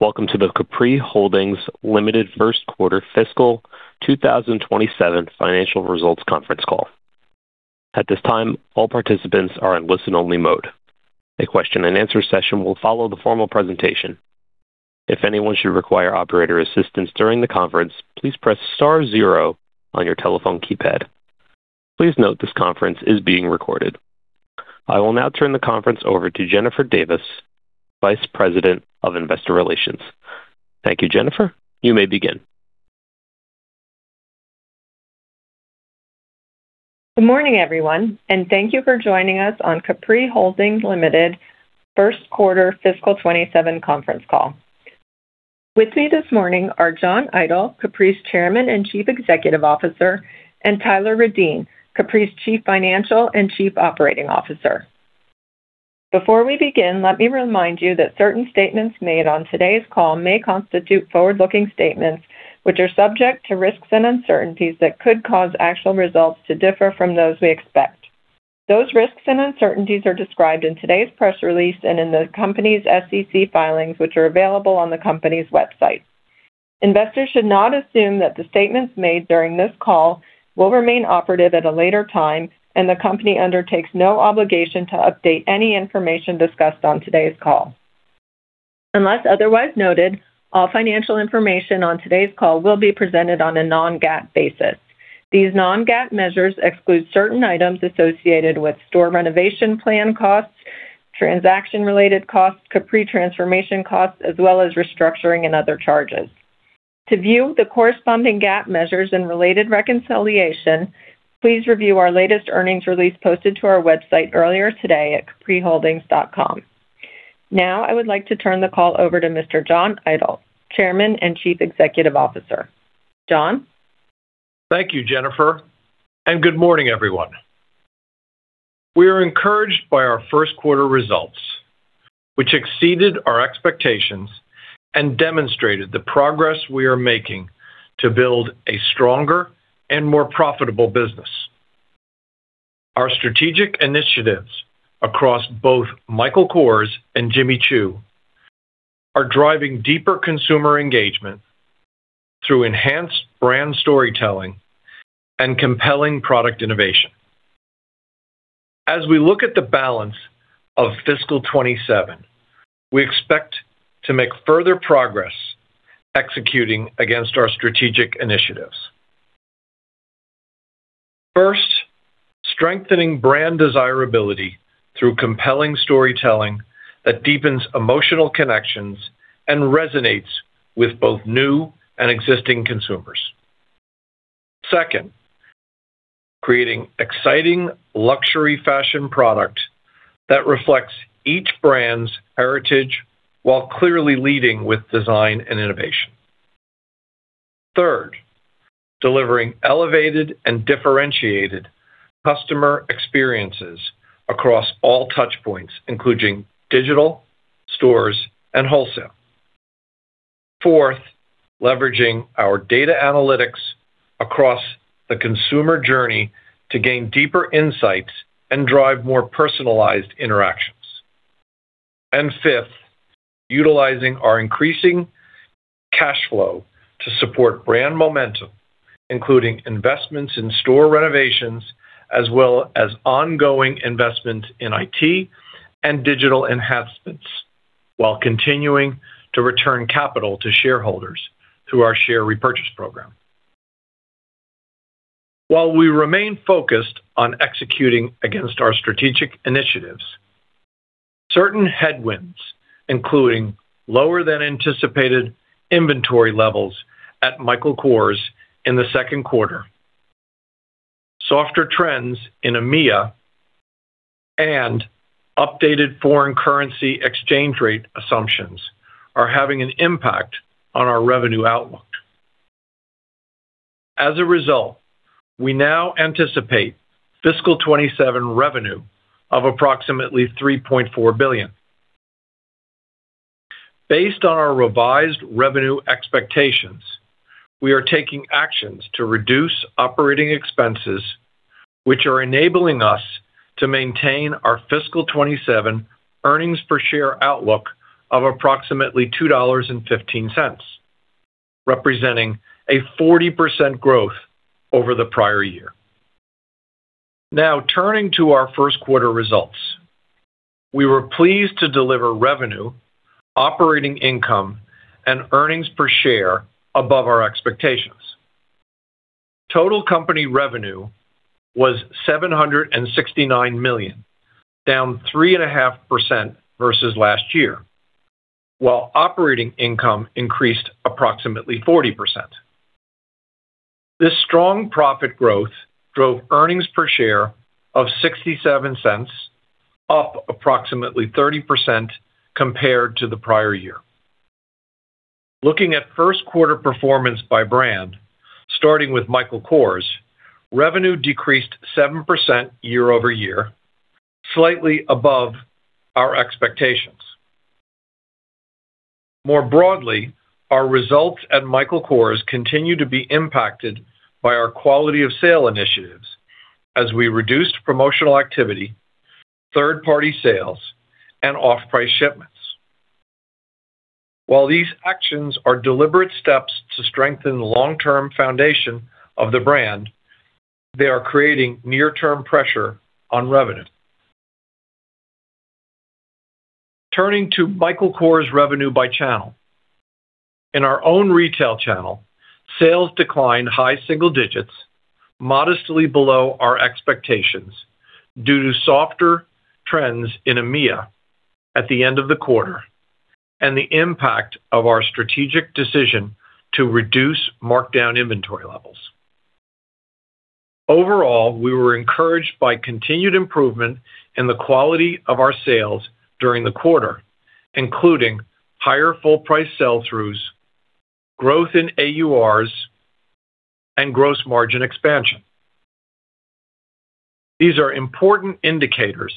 Welcome to the Capri Holdings Limited first quarter fiscal 2027 financial results conference call. At this time, all participants are in listen-only mode. A Q&A session will follow the formal presentation. If anyone should require operator assistance during the conference, please press star zero on your telephone keypad. Please note this conference is being recorded. I will now turn the conference over to Jennifer Davis, Vice President of Investor Relations. Thank you, Jennifer. You may begin. Good morning, everyone, thank you for joining us on Capri Holdings Limited first quarter fiscal 2027 conference call. With me this morning are John Idol, Capri's Chairman and Chief Executive Officer, and Tyler Reddien, Capri's Chief Financial and Chief Operating Officer. Before we begin, let me remind you that certain statements made on today's call may constitute forward-looking statements, which are subject to risks and uncertainties that could cause actual results to differ from those we expect. Those risks and uncertainties are described in today's press release and in the company's SEC filings, which are available on the company's website. Investors should not assume that the statements made during this call will remain operative at a later time, and the company undertakes no obligation to update any information discussed on today's call. Unless otherwise noted, all financial information on today's call will be presented on a non-GAAP basis. These non-GAAP measures exclude certain items associated with store renovation plan costs, transaction-related costs, Capri transformation costs, as well as restructuring and other charges. To view the corresponding GAAP measures and related reconciliation, please review our latest earnings release posted to our website earlier today at capriholdings.com. I would like to turn the call over to Mr. John Idol, Chairman and Chief Executive Officer. John? Thank you, Jennifer, good morning, everyone. We are encouraged by our first quarter results, which exceeded our expectations and demonstrated the progress we are making to build a stronger and more profitable business. Our strategic initiatives across both Michael Kors and Jimmy Choo are driving deeper consumer engagement through enhanced brand storytelling and compelling product innovation. As we look at the balance of fiscal 2027, we expect to make further progress executing against our strategic initiatives. First, strengthening brand desirability through compelling storytelling that deepens emotional connections and resonates with both new and existing consumers. Second, creating exciting luxury fashion product that reflects each brand's heritage while clearly leading with design and innovation. Third, delivering elevated and differentiated customer experiences across all touchpoints, including digital, stores, and wholesale. Fourth, leveraging our data analytics across the consumer journey to gain deeper insights and drive more personalized interactions. Fifth, utilizing our increasing cash flow to support brand momentum, including investments in store renovations, as well as ongoing investment in IT and digital enhancements while continuing to return capital to shareholders through our share repurchase program. While we remain focused on executing against our strategic initiatives, certain headwinds, including lower than anticipated inventory levels at Michael Kors in the second quarter, softer trends in EMEA, and updated foreign currency exchange rate assumptions, are having an impact on our revenue outlook. As a result, we now anticipate fiscal 2027 revenue of approximately $3.4 billion. Based on our revised revenue expectations, we are taking actions to reduce operating expenses, which are enabling us to maintain our fiscal 2027 earnings per share outlook of approximately $2.15, representing a 40% growth over the prior year. Now, turning to our first quarter results. We were pleased to deliver revenue, operating income, and earnings per share above our expectations. Total company revenue was $769 million, down 3.5% versus last year, while operating income increased approximately 40%. This strong profit growth drove earnings per share of $0.67, up approximately 30% compared to the prior year. Looking at first quarter performance by brand, starting with Michael Kors, revenue decreased 7% year-over-year, slightly above our expectations. More broadly, our results at Michael Kors continue to be impacted by our quality of sale initiatives as we reduced promotional activity third-party sales, and off-price shipments. While these actions are deliberate steps to strengthen the long-term foundation of the brand, they are creating near-term pressure on revenue. Turning to Michael Kors revenue by channel. In our own retail channel, sales declined high single digits, modestly below our expectations due to softer trends in EMEA at the end of the quarter, and the impact of our strategic decision to reduce markdown inventory levels. Overall, we were encouraged by continued improvement in the quality of our sales during the quarter, including higher full price sell-throughs, growth in AURs, and gross margin expansion. These are important indicators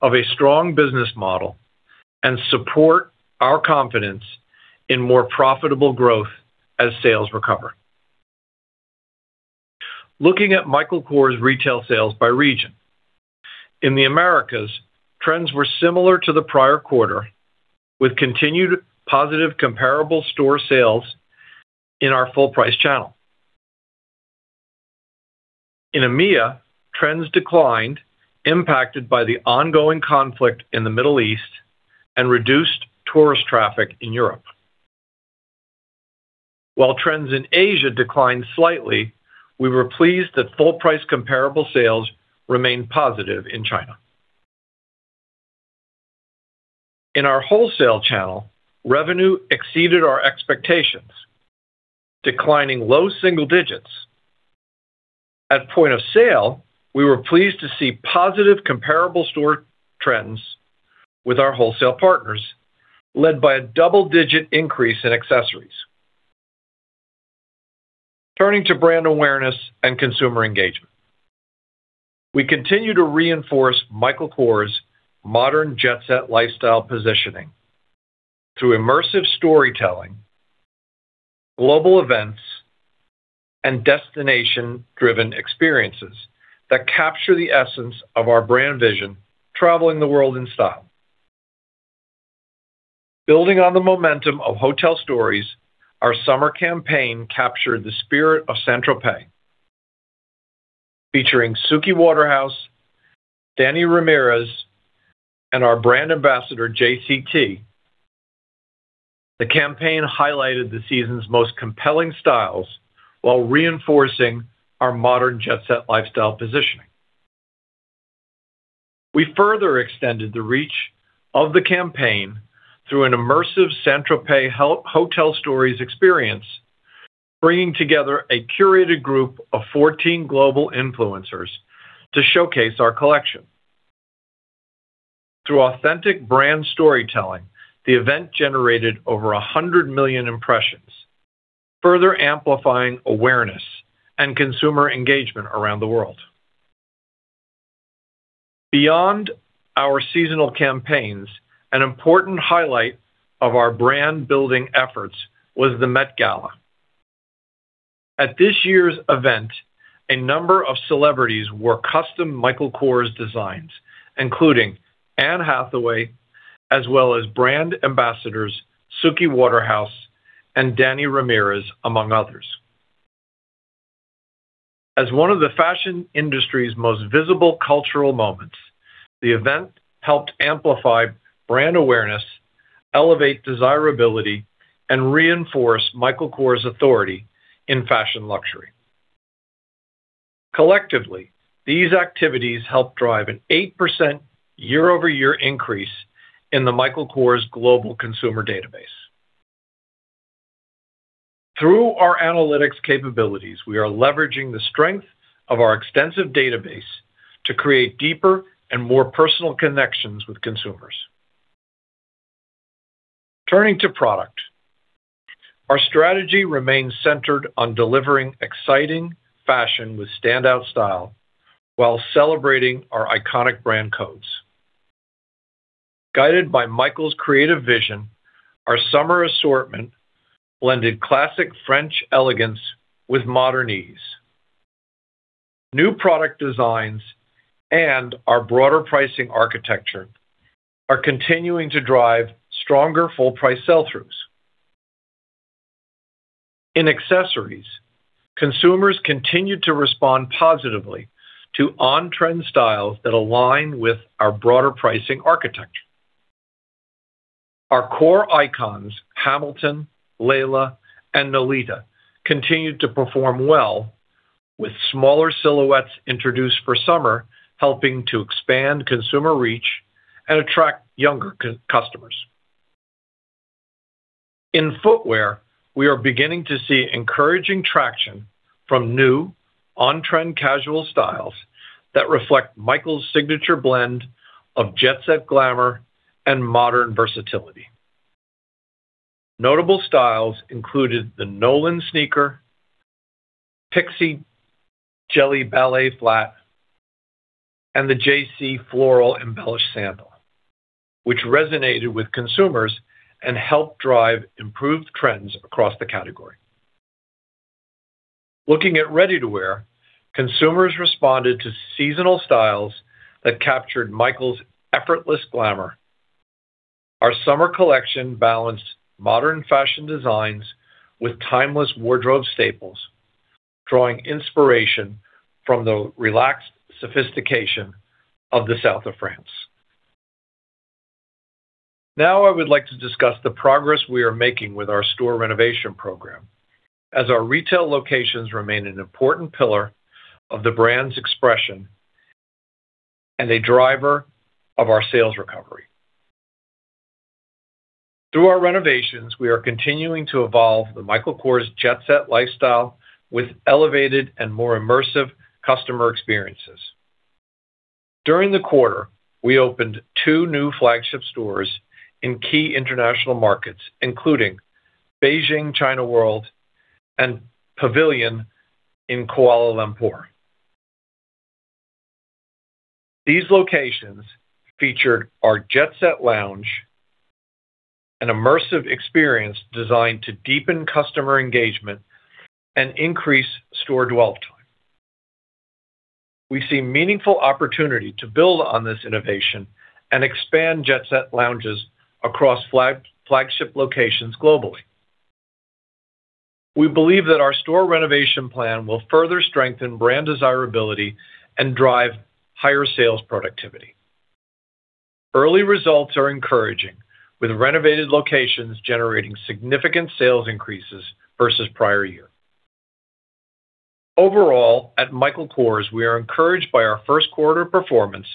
of a strong business model and support our confidence in more profitable growth as sales recover. Looking at Michael Kors retail sales by region. In the Americas, trends were similar to the prior quarter, with continued positive comparable store sales in our full price channel. In EMEA, trends declined, impacted by the ongoing conflict in the Middle East and reduced tourist traffic in Europe. While trends in Asia declined slightly, we were pleased that full price comparable sales remained positive in China. In our wholesale channel, revenue exceeded our expectations, declining low single digits. At point of sale, we were pleased to see positive comparable store trends with our wholesale partners, led by a double-digit increase in accessories. Turning to brand awareness and consumer engagement. We continue to reinforce Michael Kors' modern Jet Set lifestyle positioning through immersive storytelling, global events, and destination-driven experiences that capture the essence of our brand vision, traveling the world in style. Building on the momentum of Hotel Stories, our summer campaign captured the spirit of Saint-Tropez, featuring Suki Waterhouse, Dani Ramirez, and our brand ambassador, JCT. The campaign highlighted the season's most compelling styles while reinforcing our modern Jet Set lifestyle positioning. We further extended the reach of the campaign through an immersive Saint-Tropez Hotel Stories experience, bringing together a curated group of 14 global influencers to showcase our collection. Through authentic brand storytelling, the event generated over 100 million impressions, further amplifying awareness and consumer engagement around the world. Beyond our seasonal campaigns, an important highlight of our brand-building efforts was the Met Gala. At this year's event, a number of celebrities wore custom Michael Kors designs, including Anne Hathaway, as well as brand ambassadors Suki Waterhouse and Dani Ramirez, among others. As one of the fashion industry's most visible cultural moments, the event helped amplify brand awareness, elevate desirability, and reinforce Michael Kors' authority in fashion luxury. Collectively, these activities helped drive an 8% year-over-year increase in the Michael Kors global consumer database. Through our analytics capabilities, we are leveraging the strength of our extensive database to create deeper and more personal connections with consumers. Turning to product. Our strategy remains centered on delivering exciting fashion with standout style while celebrating our iconic brand codes. Guided by Michael's creative vision, our summer assortment blended classic French elegance with modern ease. New product designs and our broader pricing architecture are continuing to drive stronger full-price sell-throughs. In accessories, consumers continued to respond positively to on-trend styles that align with our broader pricing architecture. Our core icons, Hamilton, Laila, and Nolita, continued to perform well with smaller silhouettes introduced for summer, helping to expand consumer reach and attract younger customers. In footwear, we are beginning to see encouraging traction from new on-trend casual styles that reflect Michael's signature blend of Jet Set glamour and modern versatility. Notable styles included the Nolan sneaker, Pixie Jelly ballet flat, and the JC floral embellished sandal, which resonated with consumers and helped drive improved trends across the category. Looking at ready-to-wear, consumers responded to seasonal styles that captured Michael's effortless glamour. Our summer collection balanced modern fashion designs with timeless wardrobe staples, drawing inspiration from the relaxed sophistication of the south of France. Now, I would like to discuss the progress we are making with our store renovation program, as our retail locations remain an important pillar of the brand's expression and a driver of our sales recovery. Through our renovations, we are continuing to evolve the Michael Kors Jet Set lifestyle with elevated and more immersive customer experiences. During the quarter, we opened two new flagship stores in key international markets, including Beijing, China World, and Pavilion in Kuala Lumpur. These locations featured our Jet Set lounge, an immersive experience designed to deepen customer engagement and increase store dwell time. We see meaningful opportunity to build on this innovation and expand Jet Set lounges across flagship locations globally. We believe that our store renovation plan will further strengthen brand desirability and drive higher sales productivity. Early results are encouraging, with renovated locations generating significant sales increases versus prior year. Overall, at Michael Kors, we are encouraged by our first quarter performance,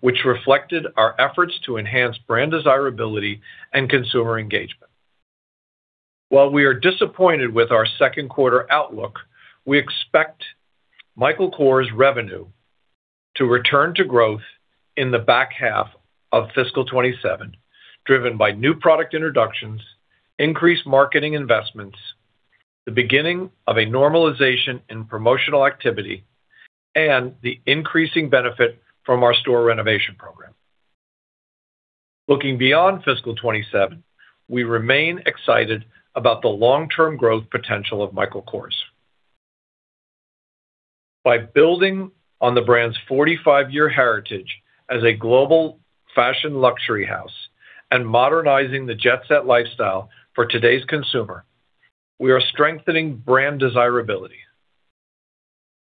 which reflected our efforts to enhance brand desirability and consumer engagement. While we are disappointed with our second quarter outlook, we expect Michael Kors revenue to return to growth in the back half of fiscal 2027, driven by new product introductions, increased marketing investments, the beginning of a normalization in promotional activity, and the increasing benefit from our store renovation program. Looking beyond fiscal 2027, we remain excited about the long-term growth potential of Michael Kors. By building on the brand's 45-year heritage as a global fashion luxury house and modernizing the Jet Set lifestyle for today's consumer, we are strengthening brand desirability.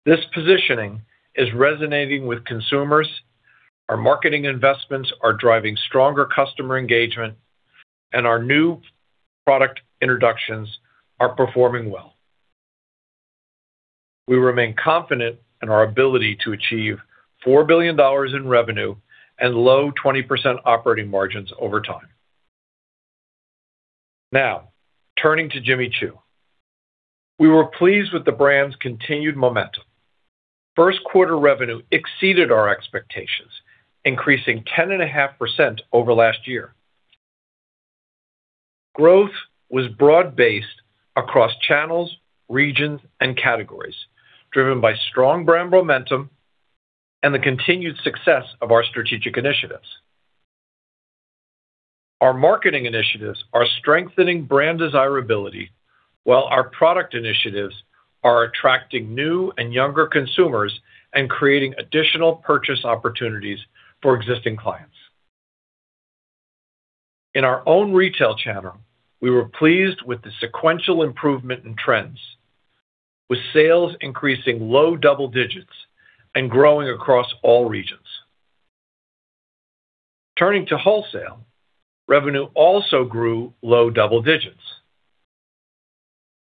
This positioning is resonating with consumers, our marketing investments are driving stronger customer engagement, and our new product introductions are performing well. We remain confident in our ability to achieve $4 billion in revenue and low 20% operating margins over time. Now, turning to Jimmy Choo. We were pleased with the brand's continued momentum. First quarter revenue exceeded our expectations, increasing 10.5% over last year. Growth was broad-based across channels, regions, and categories, driven by strong brand momentum and the continued success of our strategic initiatives. Our marketing initiatives are strengthening brand desirability, while our product initiatives are attracting new and younger consumers and creating additional purchase opportunities for existing clients. In our own retail channel, we were pleased with the sequential improvement in trends, with sales increasing low double digits and growing across all regions. Turning to wholesale, revenue also grew low double digits.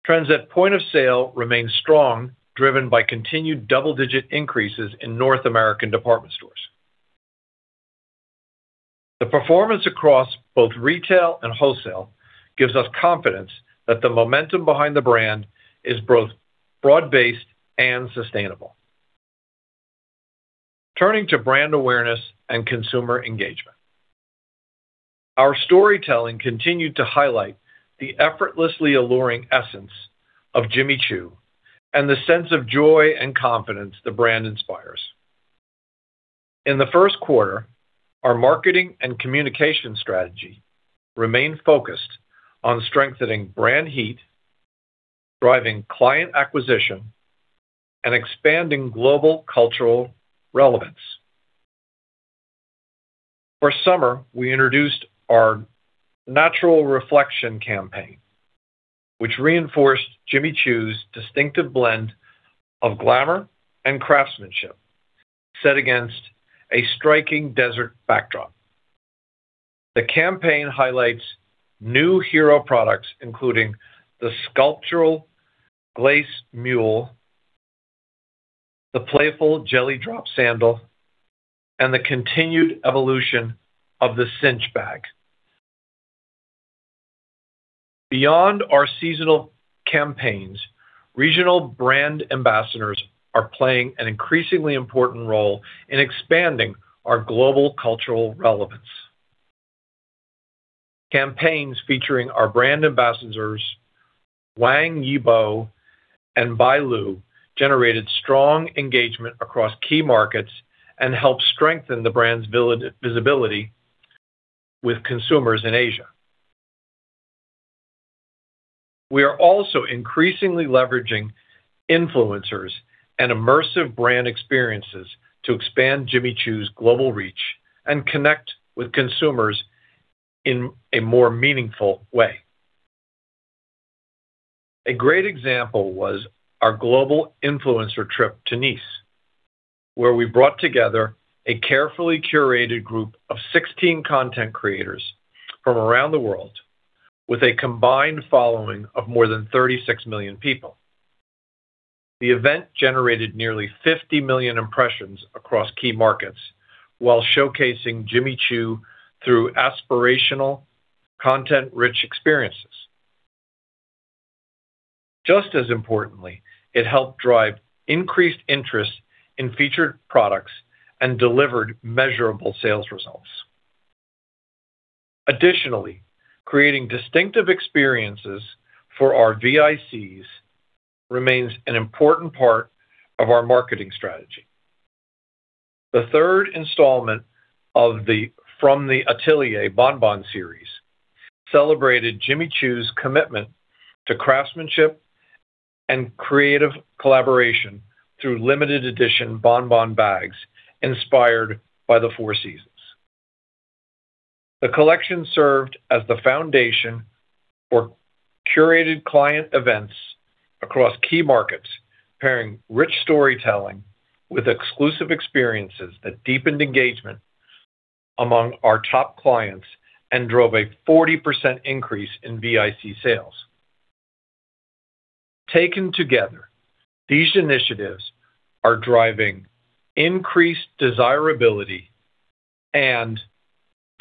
Trends at point of sale remain strong, driven by continued double-digit increases in North American department stores. The performance across both retail and wholesale gives us confidence that the momentum behind the brand is both broad-based and sustainable. Turning to brand awareness and consumer engagement. Our storytelling continued to highlight the effortlessly alluring essence of Jimmy Choo and the sense of joy and confidence the brand inspires. In the first quarter, our marketing and communication strategy remained focused on strengthening brand heat, driving client acquisition, and expanding global cultural relevance. For summer, we introduced our Natural Reflection campaign, which reinforced Jimmy Choo's distinctive blend of glamour and craftsmanship, set against a striking desert backdrop. The campaign highlights new hero products, including the sculptural Glace mule, the playful Jelly Drop sandal, and the continued evolution of the Cinch bag. Beyond our seasonal campaigns, regional brand ambassadors are playing an increasingly important role in expanding our global cultural relevance. Campaigns featuring our brand ambassadors Wang Yibo and Bai Lu generated strong engagement across key markets and helped strengthen the brand's visibility with consumers in Asia. We are also increasingly leveraging influencers and immersive brand experiences to expand Jimmy Choo's global reach and connect with consumers in a more meaningful way. A great example was our global influencer trip to Nice, where we brought together a carefully curated group of 16 content creators from around the world with a combined following of more than 36 million people. The event generated nearly 50 million impressions across key markets while showcasing Jimmy Choo through aspirational content-rich experiences. Just as importantly, it helped drive increased interest in featured products and delivered measurable sales results. Additionally, creating distinctive experiences for our VICs remains an important part of our marketing strategy. The third installment of the From the Atelier Bon Bon series celebrated Jimmy Choo's commitment to craftsmanship and creative collaboration through limited edition Bon Bon bags inspired by the four seasons. The collection served as the foundation for curated client events across key markets, pairing rich storytelling with exclusive experiences that deepened engagement among our top clients and drove a 40% increase in VIC sales. Taken together, these initiatives are driving increased desirability and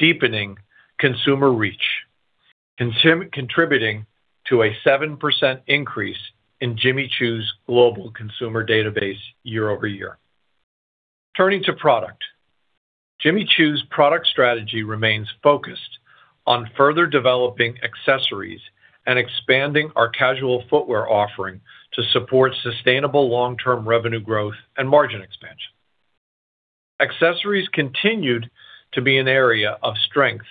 deepening consumer reach, contributing to a 7% increase in Jimmy Choo's global consumer database year-over-year. Turning to product. Jimmy Choo's product strategy remains focused on further developing accessories and expanding our casual footwear offering to support sustainable long-term revenue growth and margin expansion. Accessories continued to be an area of strength,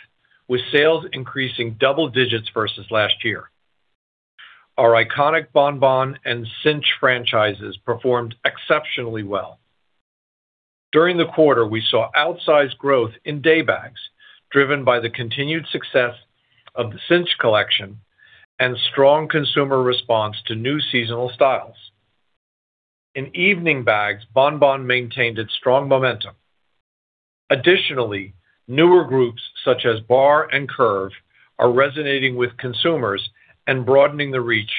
with sales increasing double digits versus last year. Our iconic Bon Bon and Cinch franchises performed exceptionally well. During the quarter, we saw outsized growth in day bags, driven by the continued success of the Cinch collection and strong consumer response to new seasonal styles. In evening bags, Bon Bon maintained its strong momentum. Additionally, newer groups such as Bar and Curve are resonating with consumers and broadening the reach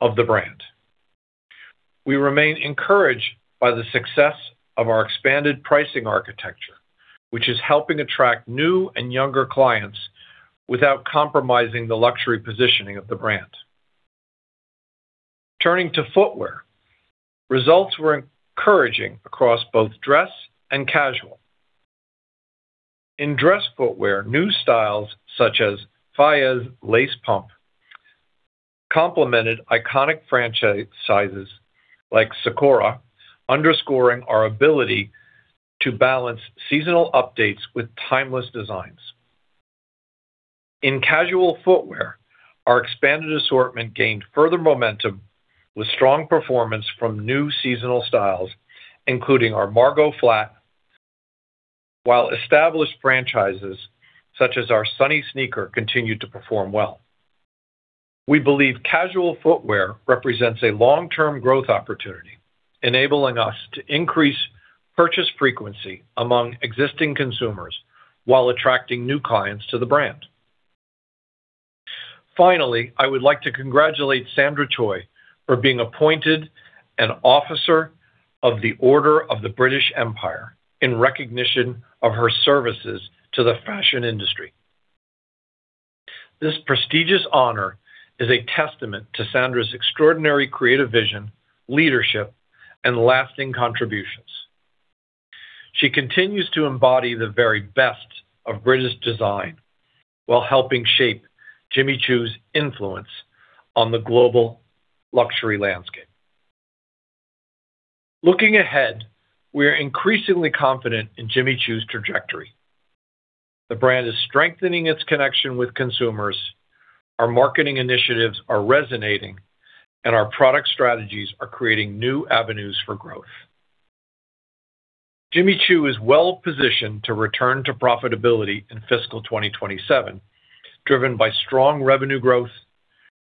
of the brand. We remain encouraged by the success of our expanded pricing architecture, which is helping attract new and younger clients without compromising the luxury positioning of the brand. Turning to footwear, results were encouraging across both dress and casual. In dress footwear, new styles such as Faye lace pump complemented iconic franchises like Sakura, underscoring our ability to balance seasonal updates with timeless designs. In casual footwear, our expanded assortment gained further momentum with strong performance from new seasonal styles, including our Margot flat, while established franchises such as our Sunny sneaker continued to perform well. We believe casual footwear represents a long-term growth opportunity, enabling us to increase purchase frequency among existing consumers while attracting new clients to the brand. Finally, I would like to congratulate Sandra Choi for being appointed an Officer of the Order of the British Empire, in recognition of her services to the fashion industry. This prestigious honor is a testament to Sandra's extraordinary creative vision, leadership, and lasting contributions. She continues to embody the very best of British design while helping shape Jimmy Choo's influence on the global luxury landscape. Looking ahead, we are increasingly confident in Jimmy Choo's trajectory. The brand is strengthening its connection with consumers, our marketing initiatives are resonating, and our product strategies are creating new avenues for growth. Jimmy Choo is well-positioned to return to profitability in fiscal 2027, driven by strong revenue growth,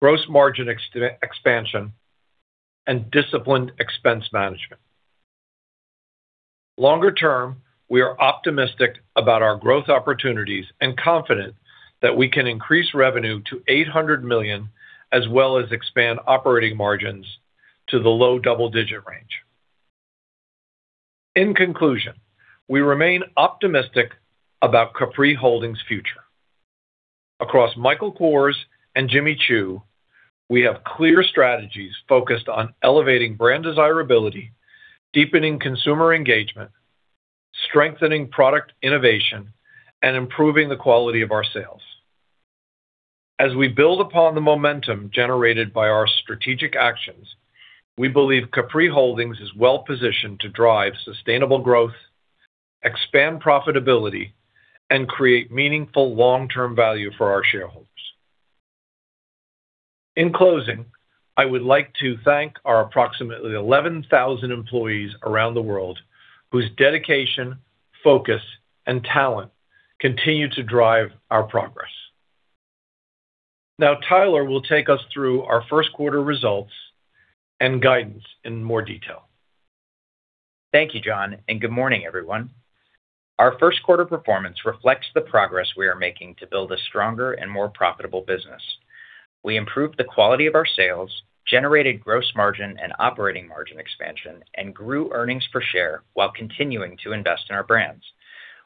gross margin expansion, and disciplined expense management. Longer term, we are optimistic about our growth opportunities and confident that we can increase revenue to $800 million as well as expand operating margins to the low double-digit range. In conclusion, we remain optimistic about Capri Holdings' future. Across Michael Kors and Jimmy Choo, we have clear strategies focused on elevating brand desirability, deepening consumer engagement, strengthening product innovation, and improving the quality of our sales. As we build upon the momentum generated by our strategic actions, we believe Capri Holdings is well-positioned to drive sustainable growth, expand profitability, and create meaningful long-term value for our shareholders. In closing, I would like to thank our approximately 11,000 employees around the world whose dedication, focus, and talent continue to drive our progress. Now Tyler will take us through our first quarter results and guidance in more detail. Thank you, John, and good morning, everyone. Our first quarter performance reflects the progress we are making to build a stronger and more profitable business. We improved the quality of our sales, generated gross margin and operating margin expansion, and grew earnings per share while continuing to invest in our brands.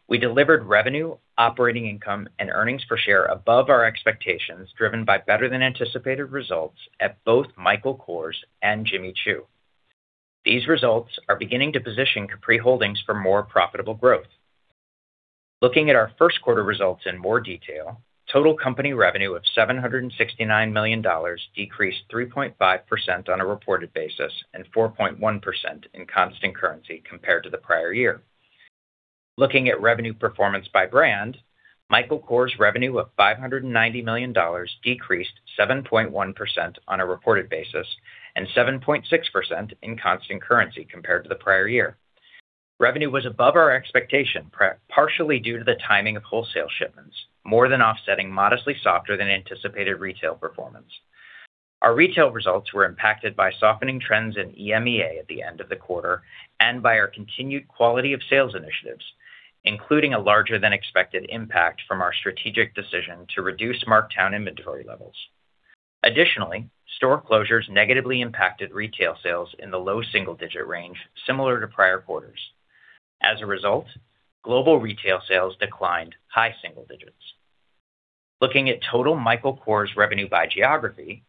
We delivered revenue, operating income, and earnings per share above our expectations, driven by better than anticipated results at both Michael Kors and Jimmy Choo. These results are beginning to position Capri Holdings for more profitable growth. Looking at our first quarter results in more detail, total company revenue of $769 million decreased 3.5% on a reported basis and 4.1% in constant currency compared to the prior year. Looking at revenue performance by brand, Michael Kors revenue of $590 million decreased 7.1% on a reported basis and 7.6% in constant currency compared to the prior year. Revenue was above our expectation, partially due to the timing of wholesale shipments, more than offsetting modestly softer than anticipated retail performance. Our retail results were impacted by softening trends in EMEA at the end of the quarter and by our continued quality of sales initiatives, including a larger than expected impact from our strategic decision to reduce marked down inventory levels. Additionally, store closures negatively impacted retail sales in the low single-digit range, similar to prior quarters. As a result, global retail sales declined high single digits. Looking at total Michael Kors revenue by geography,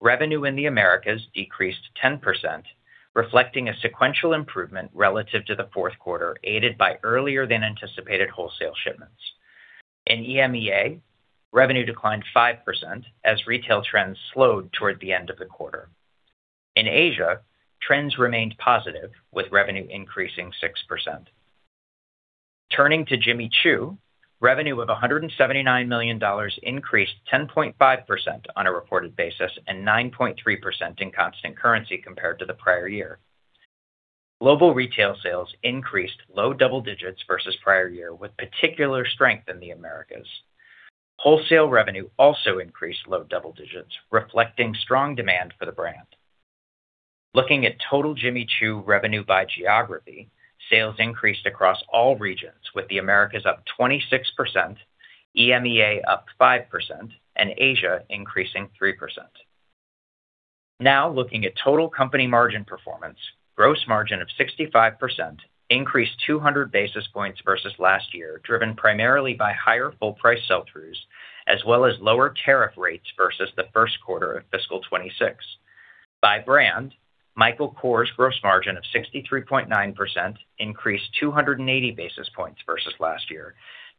revenue in the Americas decreased 10%, reflecting a sequential improvement relative to the fourth quarter, aided by earlier than anticipated wholesale shipments. In EMEA, revenue declined 5% as retail trends slowed toward the end of the quarter. In Asia, trends remained positive with revenue increasing 6%. Turning to Jimmy Choo, revenue of $179 million increased 10.5% on a reported basis and 9.3% in constant currency compared to the prior year. Global retail sales increased low double digits versus prior year, with particular strength in the Americas. Wholesale revenue also increased low double digits, reflecting strong demand for the brand. Looking at total Jimmy Choo revenue by geography, sales increased across all regions, with the Americas up 26%, EMEA up 5%, and Asia increasing 3%. Looking at total company margin performance, gross margin of 65% increased 200 basis points versus last year, driven primarily by higher full price sell-throughs, as well as lower tariff rates versus the first quarter of fiscal 2026. By brand, Michael Kors gross margin of 63.9% increased 280 basis points versus last year,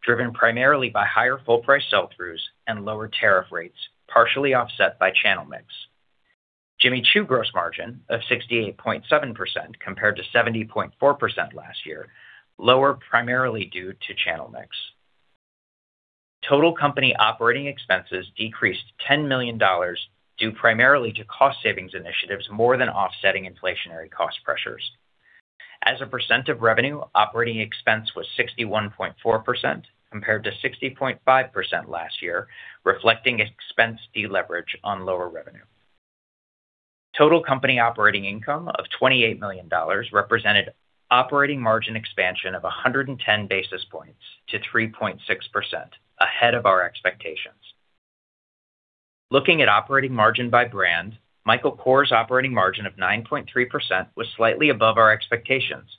driven primarily by higher full price sell-throughs and lower tariff rates, partially offset by channel mix. Jimmy Choo gross margin of 68.7% compared to 70.4% last year, lower primarily due to channel mix. Total company operating expenses decreased $10 million due primarily to cost savings initiatives, more than offsetting inflationary cost pressures. As a percent of revenue, operating expense was 61.4% compared to 60.5% last year, reflecting expense deleverage on lower revenue. Total company operating income of $28 million represented operating margin expansion of 110 basis points to 3.6%, ahead of our expectations. Looking at operating margin by brand, Michael Kors operating margin of 9.3% was slightly above our expectations.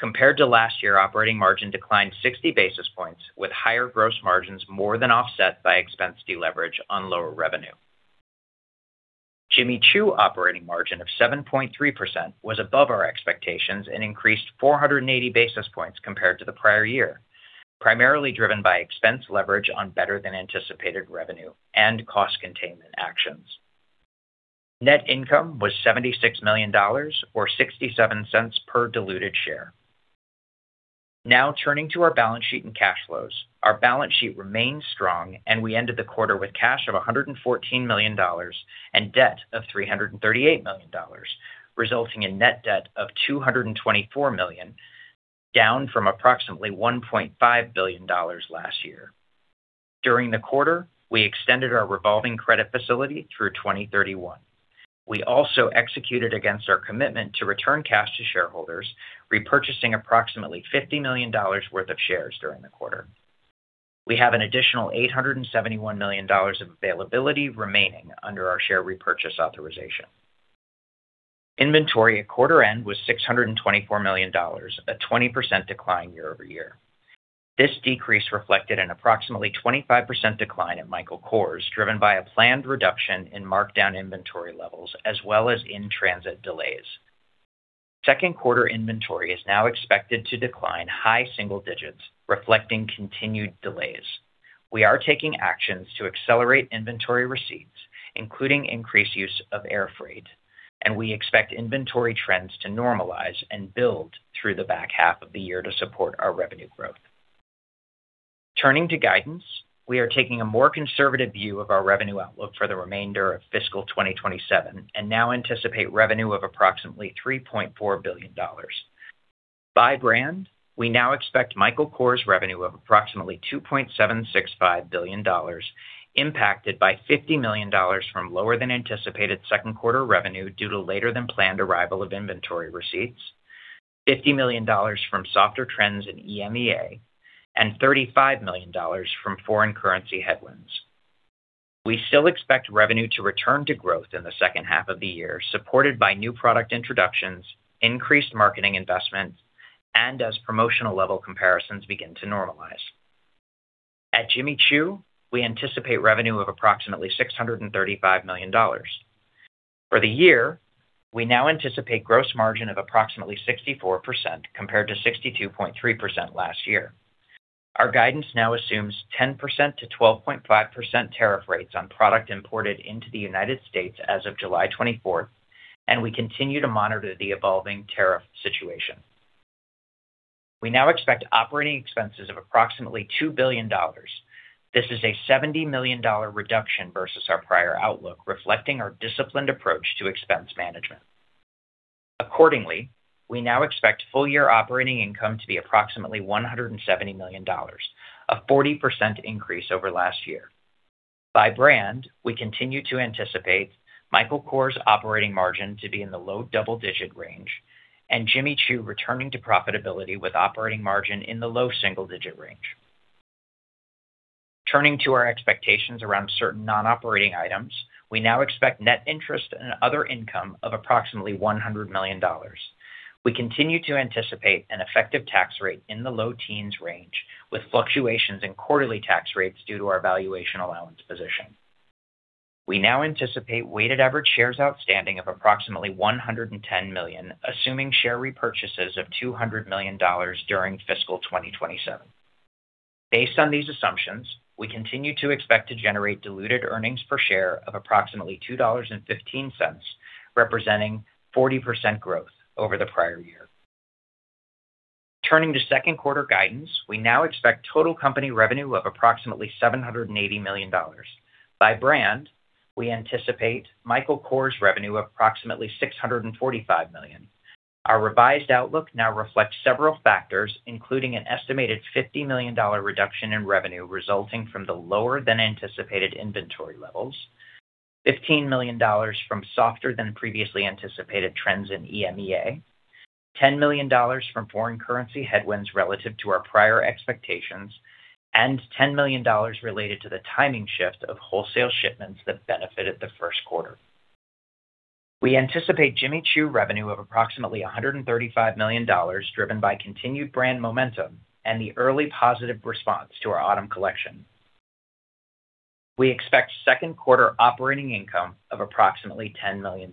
Compared to last year, operating margin declined 60 basis points, with higher gross margins more than offset by expense deleverage on lower revenue. Jimmy Choo operating margin of 7.3% was above our expectations and increased 480 basis points compared to the prior year, primarily driven by expense leverage on better than anticipated revenue and cost containment actions. Net income was $76 million, or $0.67 per diluted share. Turning to our balance sheet and cash flows. Our balance sheet remains strong, and we ended the quarter with cash of $114 million and debt of $338 million, resulting in net debt of $224 million, down from approximately $1.5 billion last year. During the quarter, we extended our revolving credit facility through 2031. We also executed against our commitment to return cash to shareholders, repurchasing approximately $50 million worth of shares during the quarter. We have an additional $871 million of availability remaining under our share repurchase authorization. Inventory at quarter end was $624 million, a 20% decline year-over-year. This decrease reflected an approximately 25% decline at Michael Kors, driven by a planned reduction in markdown inventory levels as well as in-transit delays. Second quarter inventory is now expected to decline high single digits, reflecting continued delays. We are taking actions to accelerate inventory receipts, including increased use of air freight. We expect inventory trends to normalize and build through the back half of the year to support our revenue growth. Turning to guidance, we are taking a more conservative view of our revenue outlook for the remainder of fiscal 2027 and now anticipate revenue of approximately $3.4 billion. By brand, we now expect Michael Kors' revenue of approximately $2.765 billion, impacted by $50 million from lower than anticipated second quarter revenue due to later than planned arrival of inventory receipts, $50 million from softer trends in EMEA, and $35 million from foreign currency headwinds. We still expect revenue to return to growth in the second half of the year, supported by new product introductions, increased marketing investments, and as promotional level comparisons begin to normalize. At Jimmy Choo, we anticipate revenue of approximately $635 million. For the year, we now anticipate gross margin of approximately 64% compared to 62.3% last year. Our guidance now assumes 10%-12.5% tariff rates on product imported into the United States. as of July 24, and we continue to monitor the evolving tariff situation. We now expect operating expenses of approximately $2 billion. This is a $70 million reduction versus our prior outlook, reflecting our disciplined approach to expense management. Accordingly, we now expect full-year operating income to be approximately $170 million, a 40% increase over last year. By brand, we continue to anticipate Michael Kors' operating margin to be in the low double-digit range and Jimmy Choo returning to profitability with operating margin in the low single-digit range. Turning to our expectations around certain non-operating items, we now expect net interest and other income of approximately $100 million. We continue to anticipate an effective tax rate in the low teens range, with fluctuations in quarterly tax rates due to our valuation allowance position. We now anticipate weighted average shares outstanding of approximately 110 million, assuming share repurchases of $200 million during fiscal 2027. Based on these assumptions, we continue to expect to generate diluted earnings per share of approximately $2.15, representing 40% growth over the prior year. Turning to second quarter guidance, we now expect total company revenue of approximately $780 million. By brand, we anticipate Michael Kors revenue of approximately $645 million. Our revised outlook now reflects several factors, including an estimated $50 million reduction in revenue resulting from the lower than anticipated inventory levels, $15 million from softer than previously anticipated trends in EMEA, $10 million from foreign currency headwinds relative to our prior expectations, and $10 million related to the timing shift of wholesale shipments that benefited the first quarter. We anticipate Jimmy Choo revenue of approximately $135 million, driven by continued brand momentum and the early positive response to our autumn collection. We expect second quarter operating income of approximately $10 million.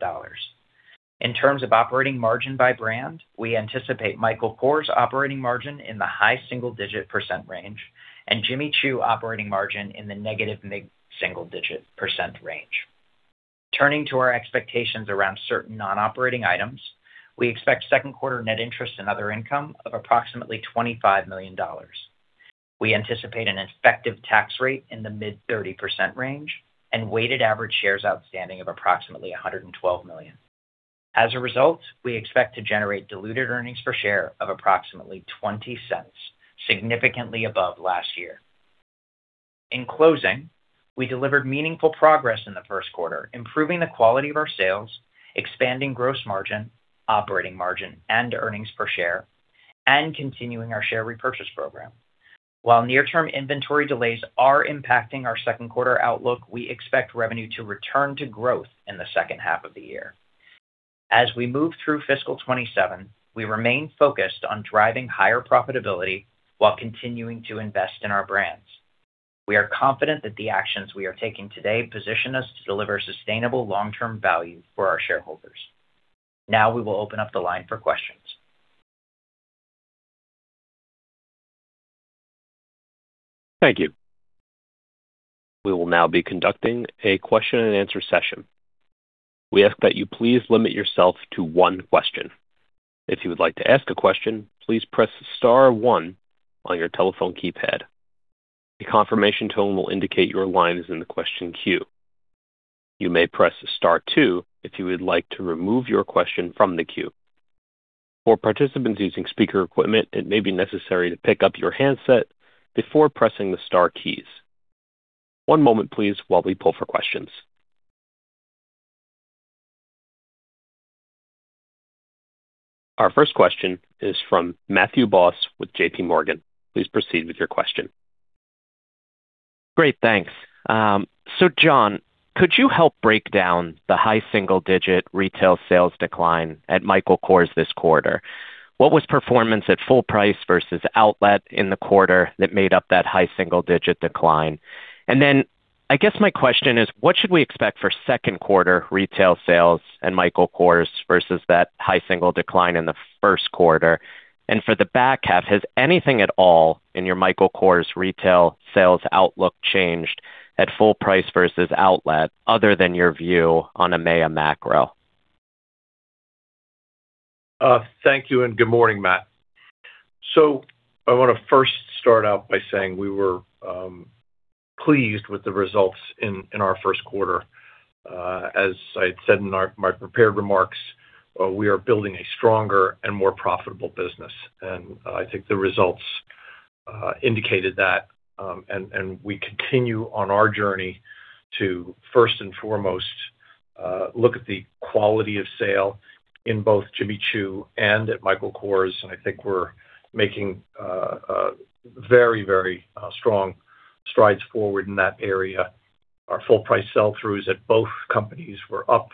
In terms of operating margin by brand, we anticipate Michael Kors operating margin in the high single-digit percent range and Jimmy Choo operating margin in the negative mid-single-digit percent range. Turning to our expectations around certain non-operating items, we expect second quarter net interest and other income of approximately $25 million. We anticipate an effective tax rate in the mid 30% range and weighted average shares outstanding of approximately 112 million. As a result, we expect to generate diluted earnings per share of approximately $0.20, significantly above last year. In closing, we delivered meaningful progress in the first quarter, improving the quality of our sales, expanding gross margin, operating margin, and earnings per share, and continuing our share repurchase program. While near-term inventory delays are impacting our second quarter outlook, we expect revenue to return to growth in the second half of the year. As we move through fiscal 2027, we remain focused on driving higher profitability while continuing to invest in our brands. We are confident that the actions we are taking today position us to deliver sustainable long-term value for our shareholders. Now we will open up the line for questions. Thank you. We will now be conducting a Q&A session. We ask that you please limit yourself to one question. If you would like to ask a question, please press star one on your telephone keypad. A confirmation tone will indicate your line is in the question queue. You may press star two if you would like to remove your question from the queue. For participants using speaker equipment, it may be necessary to pick up your handset before pressing the star keys. One moment, please, while we pull for questions. Our first question is from Matthew Boss with JPMorgan. Please proceed with your question. Great. Thanks. John, could you help break down the high single-digit retail sales decline at Michael Kors this quarter? What was performance at full price versus outlet in the quarter that made up that high single-digit decline? I guess my question is, what should we expect for second quarter retail sales in Michael Kors versus that high single decline in the first quarter? For the back half, has anything at all in your Michael Kors retail sales outlook changed at full price versus outlet, other than your view on EMEA macro? Thank you, good morning, Matt. I want to first start out by saying we were pleased with the results in our first quarter. As I had said in my prepared remarks, we are building a stronger and more profitable business. I think the results indicated that. We continue on our journey to first and foremost, look at the quality of sale in both Jimmy Choo and at Michael Kors. I think we're making very strong strides forward in that area. Our full price sell-throughs at both companies were up.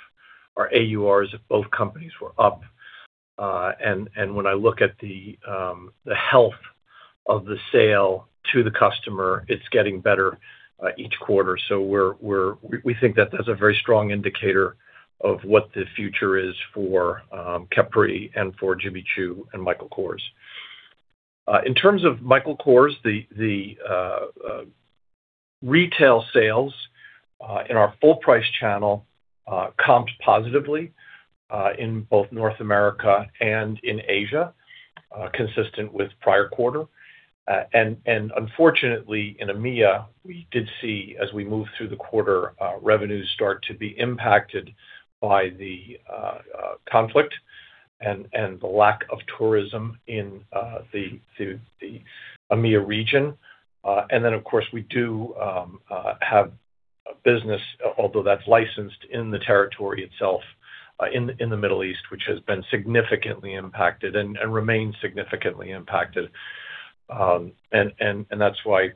Our AURs at both companies were up. When I look at the health of the sale to the customer, it's getting better each quarter. We think that that's a very strong indicator of what the future is for Capri and for Jimmy Choo and Michael Kors. In terms of Michael Kors, the retail sales in our full price channel comped positively in both North America and in Asia, consistent with prior quarter. Unfortunately, in EMEA, we did see as we moved through the quarter, revenues start to be impacted by the conflict and the lack of tourism in the EMEA region. Of course, we do have a business, although that's licensed in the territory itself, in the Middle East, which has been significantly impacted and remains significantly impacted. That's why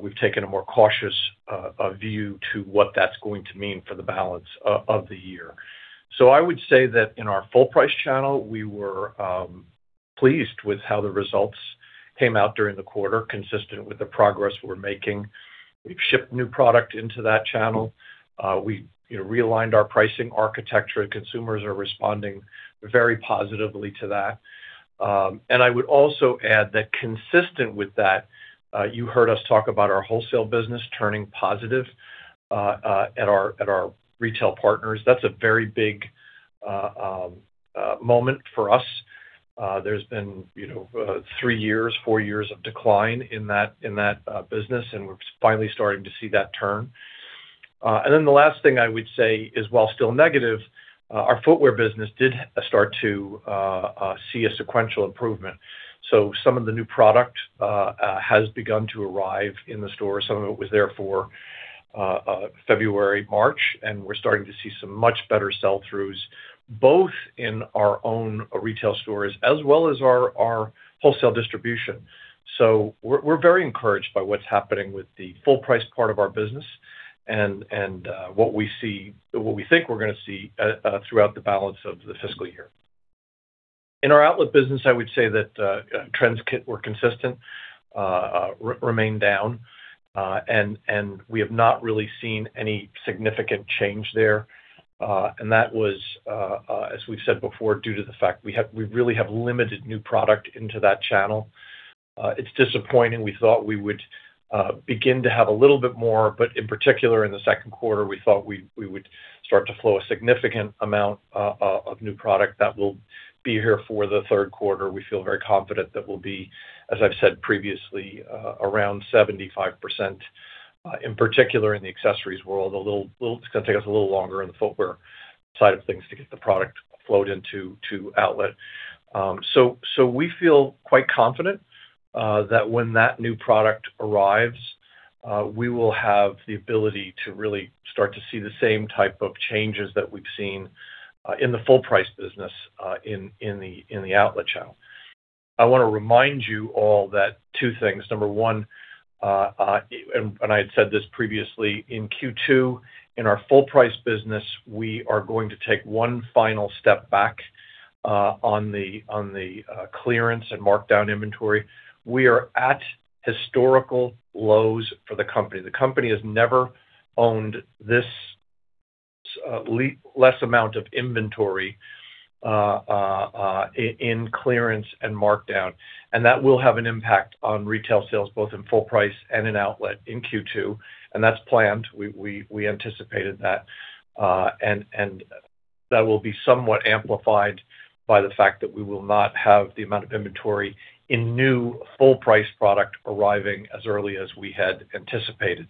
we've taken a more cautious view to what that's going to mean for the balance of the year. I would say that in our full price channel, we were pleased with how the results came out during the quarter, consistent with the progress we're making. We've shipped new product into that channel. We realigned our pricing architecture. Consumers are responding very positively to that. I would also add that consistent with that, you heard us talk about our wholesale business turning positive at our retail partners. That's a very big moment for us. There's been three years, four years of decline in that business. We're finally starting to see that turn. The last thing I would say is, while still negative, our footwear business did start to see a sequential improvement. Some of the new product has begun to arrive in the store. Some of it was there for February, March. We're starting to see some much better sell-throughs, both in our own retail stores as well as our wholesale distribution. We're very encouraged by what's happening with the full price part of our business and what we think we're going to see throughout the balance of the fiscal year. In our outlet business, I would say that trends were consistent, remain down. We have not really seen any significant change there. That was, as we've said before, due to the fact we really have limited new product into that channel. It's disappointing. We thought we would begin to have a little bit more. In particular in the second quarter, we thought we would start to flow a significant amount of new product that will be here for the third quarter. We feel very confident that we'll be, as I've said previously, around 75%, in particular in the accessories world. It's going to take us a little longer on the footwear side of things to get the product flowed into outlet. We feel quite confident that when that new product arrives, we will have the ability to really start to see the same type of changes that we've seen in the full price business in the outlet channel. I want to remind you all two things. Number one, I had said this previously, in Q2, in our full price business, we are going to take one final step back on the clearance and markdown inventory. We are at historical lows for the company. The company has never owned this less amount of inventory in clearance and markdown. That will have an impact on retail sales, both in full price and in outlet in Q2. That's planned. We anticipated that. That will be somewhat amplified by the fact that we will not have the amount of inventory in new full price product arriving as early as we had anticipated.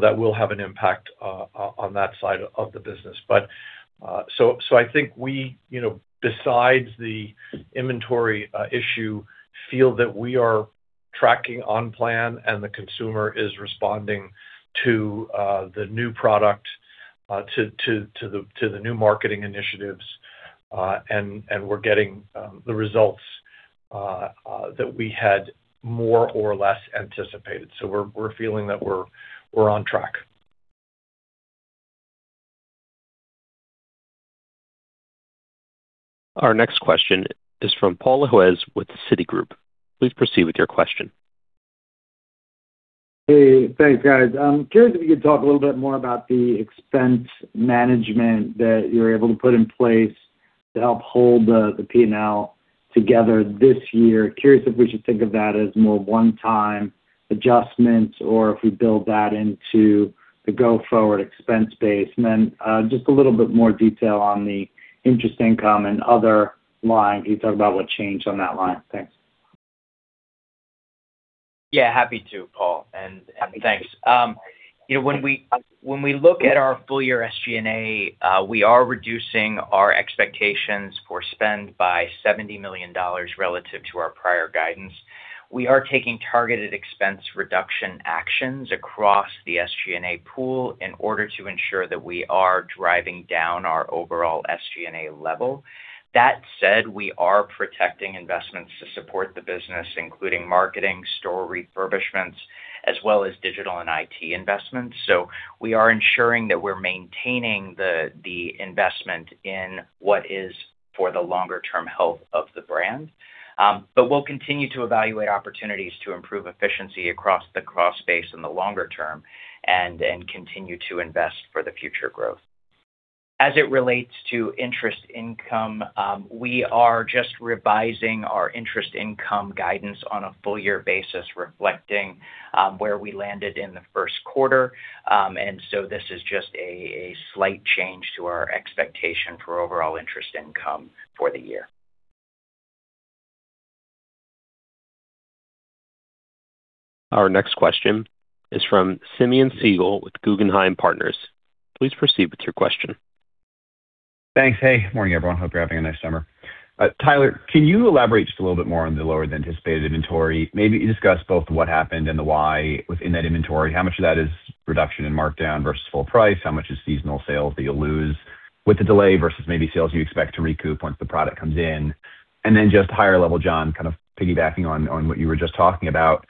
That will have an impact on that side of the business. I think we, besides the inventory issue, feel that we are tracking on plan and the consumer is responding to the new product, to the new marketing initiatives, we're getting the results that we had more or less anticipated. We're feeling that we're on track. Our next question is from Paul Lejuez with Citigroup. Please proceed with your question. Hey, thanks guys. I'm curious if you could talk a little bit more about the expense management that you're able to put in place to help hold the P&L together this year. Curious if we should think of that as more one-time adjustments or if we build that into the go-forward expense base. Then just a little bit more detail on the interest income and other line. Can you talk about what changed on that line? Thanks. Happy to, Paul, and thanks. When we look at our full-year SG&A, we are reducing our expectations for spend by $70 million relative to our prior guidance. We are taking targeted expense reduction actions across the SG&A pool in order to ensure that we are driving down our overall SG&A level. That said, we are protecting investments to support the business, including marketing, store refurbishments, as well as digital and IT investments. So we are ensuring that we are maintaining the investment in what is for the longer-term health of the brand. But we will continue to evaluate opportunities to improve efficiency across the cost base in the longer term and continue to invest for the future growth. As it relates to interest income, we are just revising our interest income guidance on a full-year basis, reflecting where we landed in the first quarter. This is just a slight change to our expectation for overall interest income for the year. Our next question is from Simeon Siegel with Guggenheim Partners. Please proceed with your question. Thanks. Hey. Morning, everyone. Hope you are having a nice summer. Tyler, can you elaborate just a little bit more on the lower than anticipated inventory? Maybe discuss both what happened and the why within that inventory. How much of that is reduction in markdown versus full price? How much is seasonal sales that you will lose with the delay versus maybe sales you expect to recoup once the product comes in? And then just higher level, John, kind of piggybacking on what you were just talking about.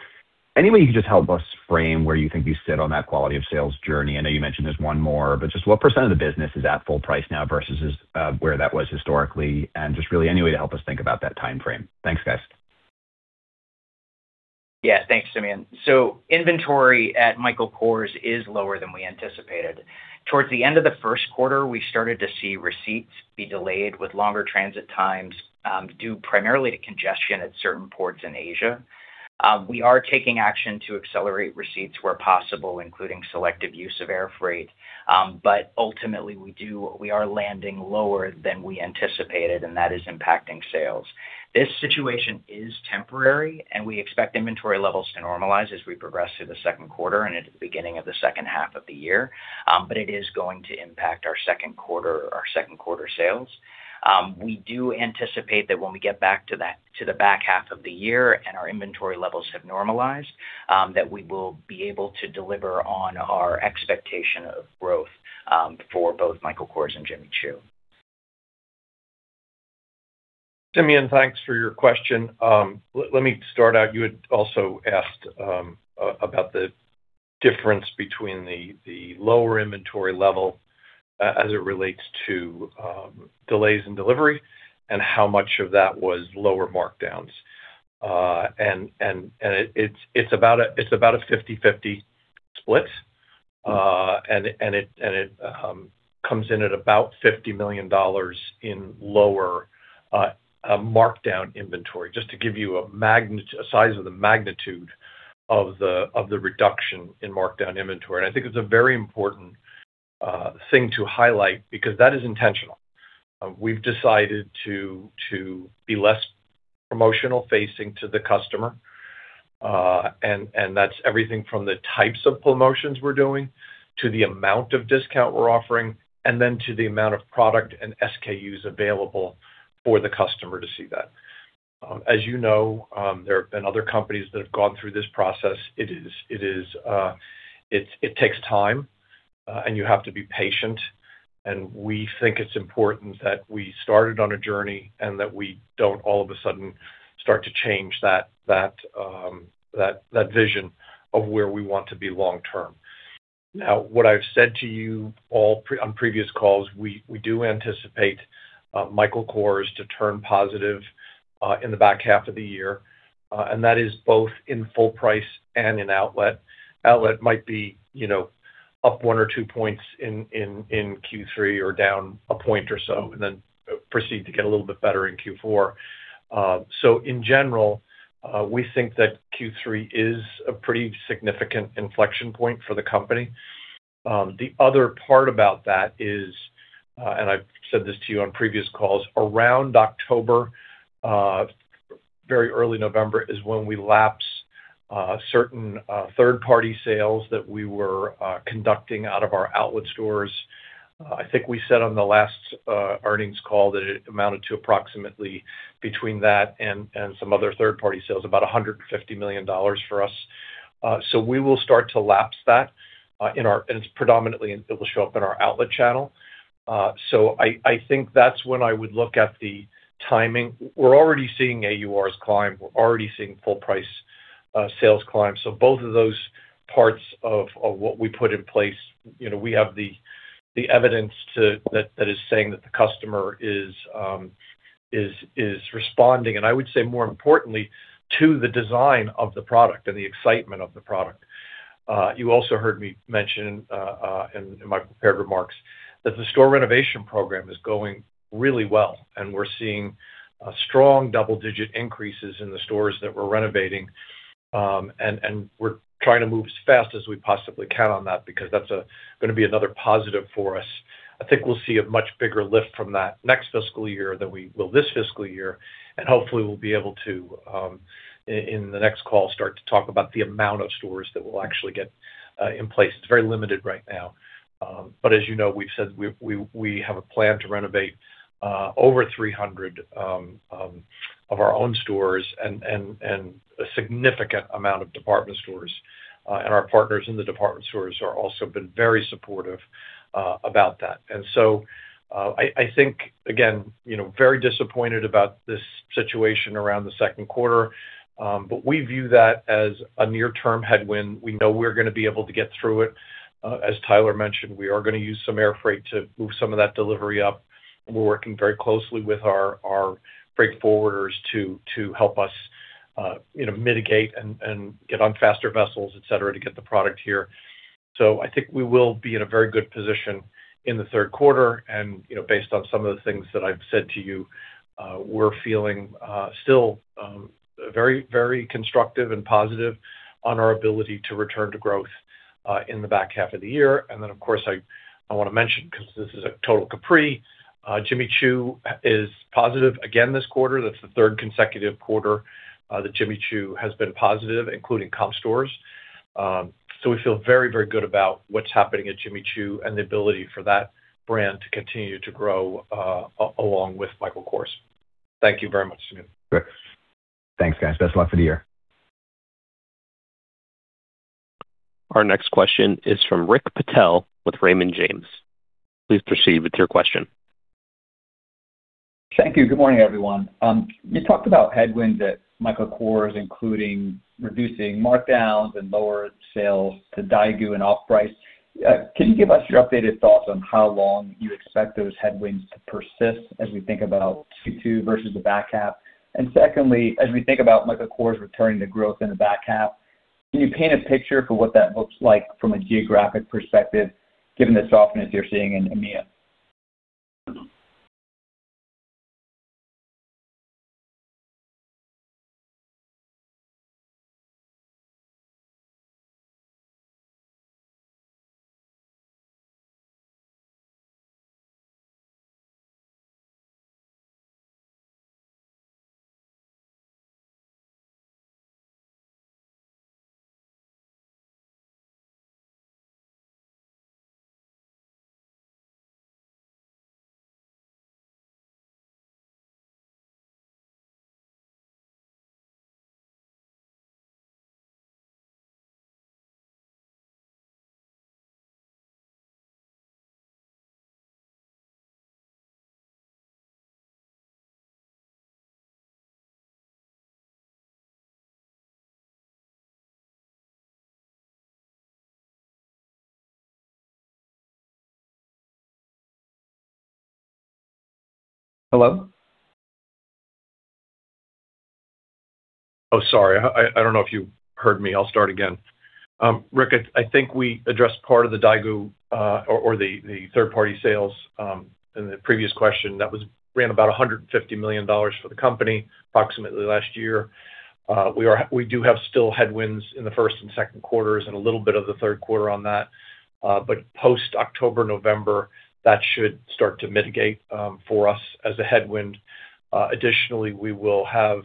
Any way you could just help us frame where you think you sit on that quality of sales journey? I know you mentioned there is one more, but just what percent of the business is at full price now versus where that was historically and just really any way to help us think about that timeframe. Thanks, guys. Thanks, Simeon. Inventory at Michael Kors is lower than we anticipated. Towards the end of the first quarter, we started to see receipts be delayed with longer transit times, due primarily to congestion at certain ports in Asia. We are taking action to accelerate receipts where possible, including selective use of air freight. Ultimately, we are landing lower than we anticipated, and that is impacting sales. This situation is temporary, and we expect inventory levels to normalize as we progress through the second quarter and into the beginning of the second half of the year. It is going to impact our second quarter sales. We do anticipate that when we get back to the back half of the year and our inventory levels have normalized, that we will be able to deliver on our expectation of growth for both Michael Kors and Jimmy Choo. Simeon, thanks for your question. Let me start out. You had also asked about the difference between the lower inventory level as it relates to delays in delivery and how much of that was lower markdowns. It's about a 50/50 split, and it comes in at about $50 million in lower markdown inventory, just to give you a size of the magnitude of the reduction in markdown inventory. I think it's a very important thing to highlight because that is intentional. We've decided to be less promotional facing to the customer. That's everything from the types of promotions we're doing to the amount of discount we're offering, and then to the amount of product and SKUs available for the customer to see that. As you know, there have been other companies that have gone through this process. It takes time, and you have to be patient, and we think it's important that we started on a journey and that we don't all of a sudden start to change that vision of where we want to be long term. What I've said to you all on previous calls, we do anticipate Michael Kors to turn positive in the back half of the year, and that is both in full price and in outlet. Outlet might be up one or two points in Q3 or down a point or so, and then proceed to get a little bit better in Q4. In general, we think that Q3 is a pretty significant inflection point for the company. The other part about that is, I've said this to you on previous calls, around October, very early November is when we lapse certain third-party sales that we were conducting out of our outlet stores. I think we said on the last earnings call that it amounted to approximately between that and some other third-party sales, about $150 million for us. We will start to lapse that, and it's predominantly it will show up in our outlet channel. I think that's when I would look at the timing. We're already seeing AURs climb. We're already seeing full price sales climb. Both of those parts of what we put in place, we have the evidence that is saying that the customer is responding, and I would say more importantly, to the design of the product and the excitement of the product. You also heard me mention in my prepared remarks that the store renovation program is going really well, we're seeing strong double-digit increases in the stores that we're renovating. We're trying to move as fast as we possibly can on that, because that's going to be another positive for us. I think we'll see a much bigger lift from that next fiscal year than we will this fiscal year. Hopefully, we'll be able to, in the next call, start to talk about the amount of stores that we'll actually get in place. It's very limited right now. As you know, we've said we have a plan to renovate over 300 of our own stores and a significant amount of department stores. Our partners in the department stores have also been very supportive about that. I think, again, very disappointed about this situation around the second quarter. We view that as a near-term headwind. We know we're going to be able to get through it. As Tyler mentioned, we are going to use some air freight to move some of that delivery up. We're working very closely with our freight forwarders to help us mitigate and get on faster vessels, et cetera, to get the product here. I think we will be in a very good position in the third quarter, based on some of the things that I've said to you, we're feeling still very constructive and positive on our ability to return to growth in the back half of the year. Then, of course, I want to mention, because this is a total Capri, Jimmy Choo is positive again this quarter. That's the third consecutive quarter that Jimmy Choo has been positive, including comp stores. We feel very good about what's happening at Jimmy Choo and the ability for that brand to continue to grow along with Michael Kors. Thank you very much, Simeon. Great. Thanks, guys. Best of luck for the year. Our next question is from Rick Patel with Raymond James. Please proceed with your question. Thank you. Good morning, everyone. You talked about headwinds at Michael Kors, including reducing markdowns and lower sales to daigou and off-price. Can you give us your updated thoughts on how long you expect those headwinds to persist as we think about Q2 versus the back half? Secondly, as we think about Michael Kors returning to growth in the back half, can you paint a picture for what that looks like from a geographic perspective, given the softness you're seeing in EMEA? Hello? Oh, sorry. I don't know if you heard me. I'll start again. Rick, I think we addressed part of the daigou or the third-party sales in the previous question. That ran about $150 million for the company approximately last year. We do have still headwinds in the first and second quarters and a little bit of the third quarter on that. Post-October, November, that should start to mitigate for us as a headwind. Additionally, we will have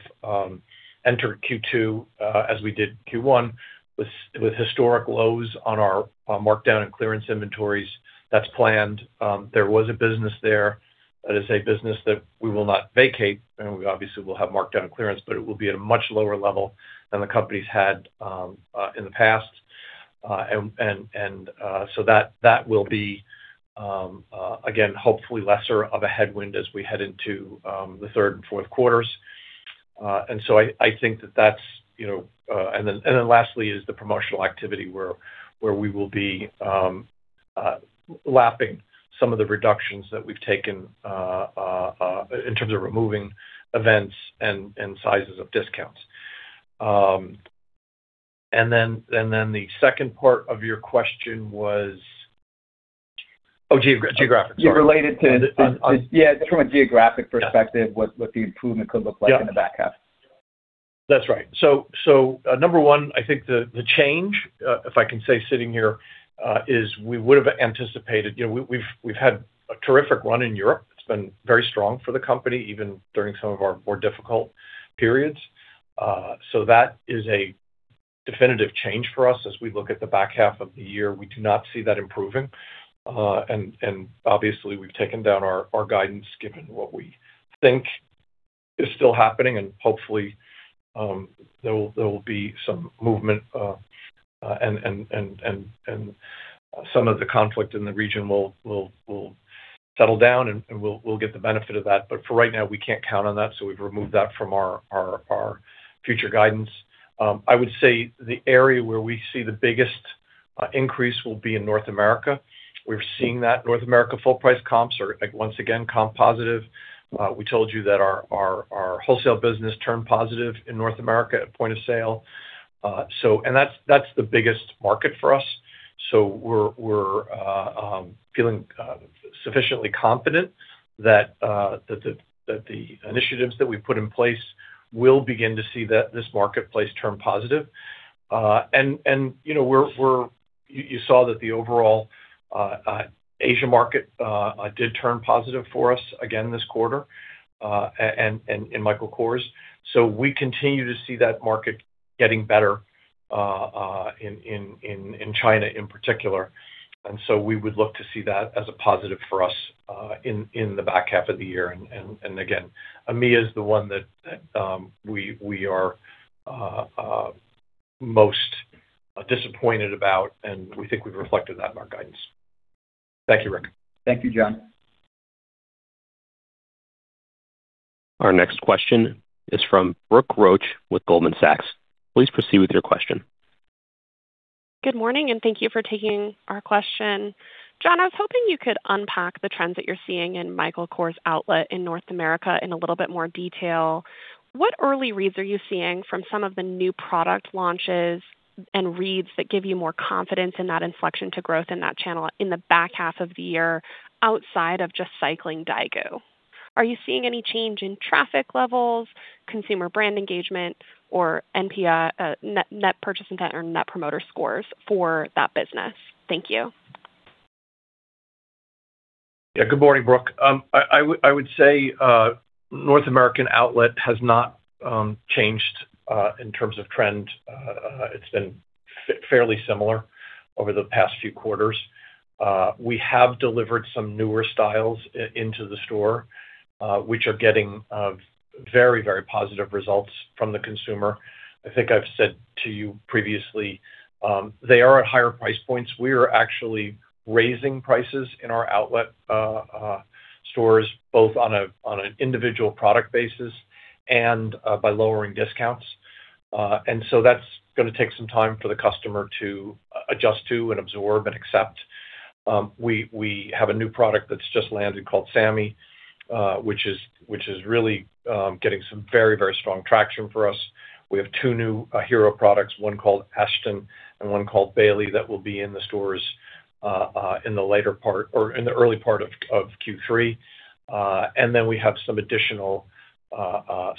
entered Q2 as we did Q1, with historic lows on our markdown and clearance inventories. That's planned. There was a business there. That is a business that we will not vacate, and we obviously will have markdown and clearance, but it will be at a much lower level than the company's had in the past. That will be, again, hopefully lesser of a headwind as we head into the third and fourth quarters. Lastly is the promotional activity, where we will be lapping some of the reductions that we've taken in terms of removing events and sizes of discounts. The second part of your question was Oh, geographic. Sorry. Related to- On- Yeah, from a geographic perspective, what the improvement could look like in the back half. That's right. Number one, I think the change, if I can say sitting here, is we would've anticipated. We've had a terrific run in Europe. It's been very strong for the company, even during some of our more difficult periods. That is a definitive change for us as we look at the back half of the year. We do not see that improving. Obviously, we've taken down our guidance given what we think is still happening. Hopefully, there will be some movement. Some of the conflict in the region will settle down, and we'll get the benefit of that. For right now, we can't count on that, so we've removed that from our future guidance. I would say the area where we see the biggest increase will be in North America. We're seeing that North America full price comps are once again comp positive. We told you that our wholesale business turned positive in North America at point of sale. That's the biggest market for us. We're feeling sufficiently confident that the initiatives that we've put in place will begin to see this marketplace turn positive. You saw that the overall Asia market did turn positive for us again this quarter in Michael Kors. We continue to see that market getting better in China in particular. We would look to see that as a positive for us in the back half of the year. Again, EMEA is the one that we are most disappointed about, and we think we've reflected that in our guidance. Thank you, Rick. Thank you, John. Our next question is from Brooke Roach with Goldman Sachs. Please proceed with your question. Good morning. Thank you for taking our question. John, I was hoping you could unpack the trends that you're seeing in Michael Kors Outlet in North America in a little bit more detail. What early reads are you seeing from some of the new product launches and reads that give you more confidence in that inflection to growth in that channel in the back half of the year outside of just cycling daigou? Are you seeing any change in traffic levels, consumer brand engagement, or net purchase intent or net promoter scores for that business? Thank you. Yeah. Good morning, Brooke. I would say North American outlet has not changed in terms of trend. It's been fairly similar over the past few quarters. We have delivered some newer styles into the store, which are getting very positive results from the consumer. I think I've said to you previously, they are at higher price points. We are actually raising prices in our outlet stores, both on an individual product basis and by lowering discounts. That's going to take some time for the customer to adjust to and absorb and accept. We have a new product that's just landed called Sammy, which is really getting some very strong traction for us. We have two new hero products, one called Ashton and one called Bailey, that will be in the stores in the early part of Q3. Then we have some additional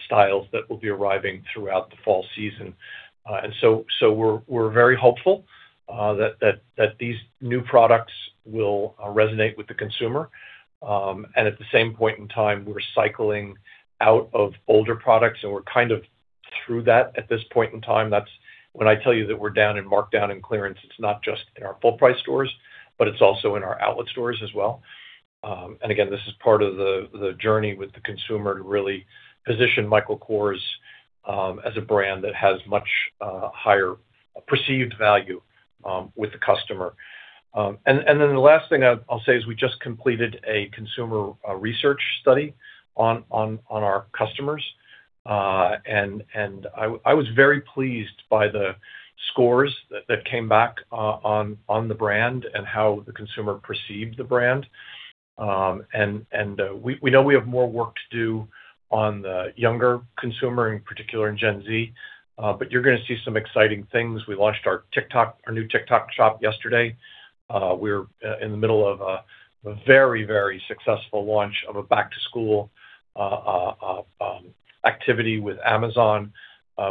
styles that will be arriving throughout the fall season. So we're very hopeful that these new products will resonate with the consumer. At the same point in time, we're cycling out of older products, and we're kind of through that at this point in time. When I tell you that we're down in markdown and clearance, it's not just in our full-price stores, but it's also in our outlet stores as well. Again, this is part of the journey with the consumer to really position Michael Kors as a brand that has much higher perceived value with the customer. Then the last thing I'll say is we just completed a consumer research study on our customers. I was very pleased by the scores that came back on the brand and how the consumer perceived the brand. We know we have more work to do on the younger consumer, in particular in Gen Z. You're going to see some exciting things. We launched our new TikTok shop yesterday. We're in the middle of a very successful launch of a back-to-school activity with Amazon.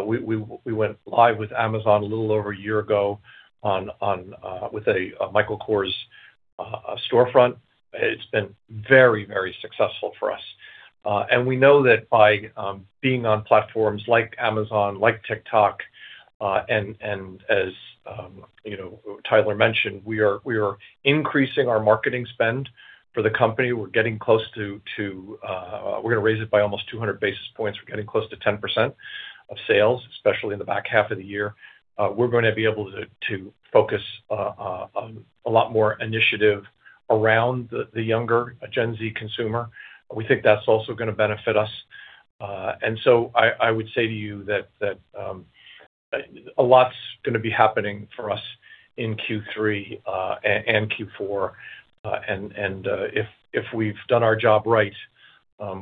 We went live with Amazon a little over a year ago with a Michael Kors storefront. It's been very successful for us. We know that by being on platforms like Amazon, like TikTok, and as Tyler mentioned, we are increasing our marketing spend for the company. We're going to raise it by almost 200 basis points. We're getting close to 10% of sales, especially in the back half of the year. We're going to be able to focus a lot more initiative around the younger Gen Z consumer. We think that's also going to benefit us. So I would say to you that a lot's going to be happening for us in Q3 and Q4. If we've done our job right,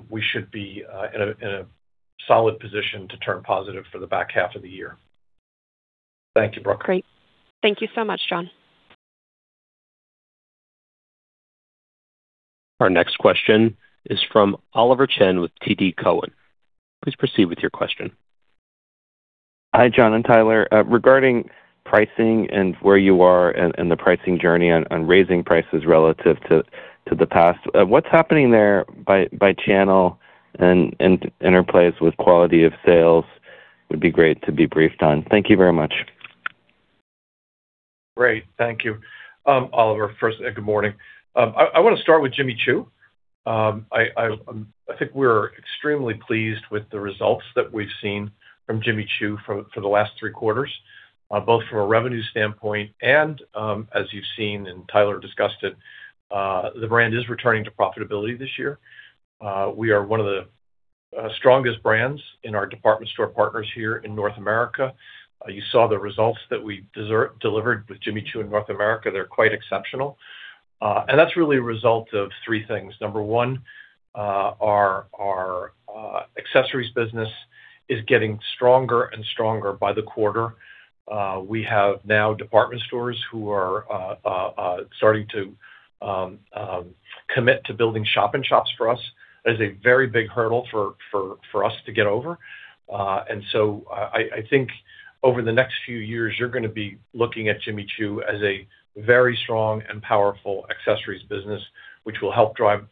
we should be in a solid position to turn positive for the back half of the year. Thank you, Brooke. Great. Thank you so much, John. Our next question is from Oliver Chen with TD Cowen. Please proceed with your question. Hi, John and Tyler. Regarding pricing and where you are in the pricing journey on raising prices relative to the past, what's happening there by channel and interplays with quality of sales would be great to be briefed on. Thank you very much. Great. Thank you, Oliver. First, good morning. I want to start with Jimmy Choo. I think we're extremely pleased with the results that we've seen from Jimmy Choo for the last three quarters, both from a revenue standpoint and, as you've seen and Tyler discussed it, the brand is returning to profitability this year. We are one of the strongest brands in our department store partners here in North America. You saw the results that we delivered with Jimmy Choo in North America. They're quite exceptional. That's really a result of three things. Number one, our accessories business is getting stronger and stronger by the quarter. We have now department stores who are starting to commit to building shop-in-shops for us. That is a very big hurdle for us to get over. I think over the next few years, you're going to be looking at Jimmy Choo as a very strong and powerful accessories business, which will help drive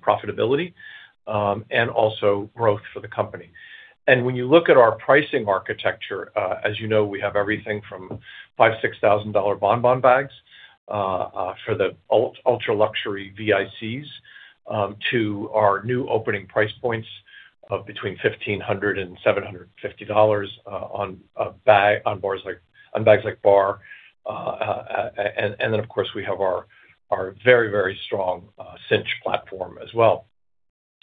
profitability, and also growth for the company. When you look at our pricing architecture, as you know, we have everything from $5,000-$6,000 Bon Bon bags for the ultra-luxury VICs, to our new opening price points of between $1,500-$750 on bags like Bar. Of course, we have our very, very strong Cinch platform as well.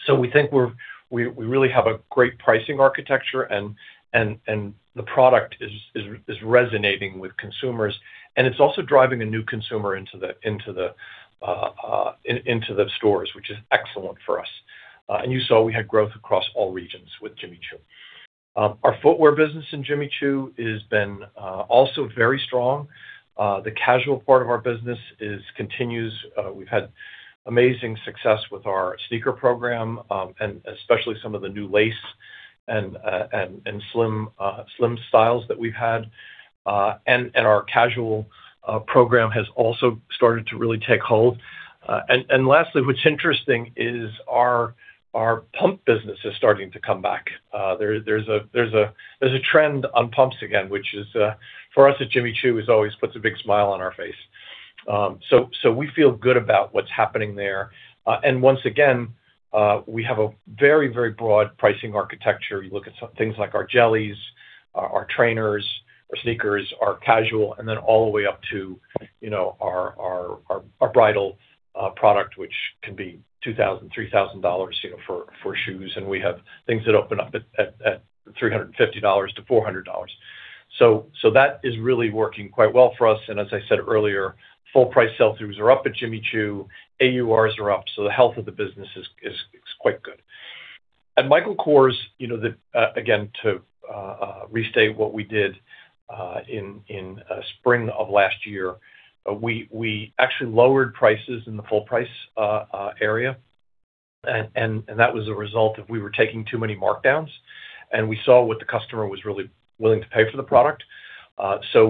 We think we really have a great pricing architecture, and the product is resonating with consumers, and it's also driving a new consumer into the stores, which is excellent for us. You saw we had growth across all regions with Jimmy Choo. Our footwear business in Jimmy Choo has been also very strong. The casual part of our business continues. We've had amazing success with our sneaker program, especially some of the new lace and slim styles that we've had. Our casual program has also started to really take hold. Lastly, what's interesting is our pump business is starting to come back. There's a trend on pumps again, which for us at Jimmy Choo, always puts a big smile on our face. We feel good about what's happening there. Once again, we have a very, very broad pricing architecture. You look at things like our jellies, our trainers, our sneakers, our casual, then all the way up to our bridal product, which can be $2,000-$3,000 for shoes. We have things that open up at $350-$400. That is really working quite well for us. As I said earlier, full price sell-throughs are up at Jimmy Choo. AURs are up. The health of the business is quite good. At Michael Kors, again, to restate what we did in spring of last year, we actually lowered prices in the full price area, that was a result of we were taking too many markdowns, we saw what the customer was really willing to pay for the product.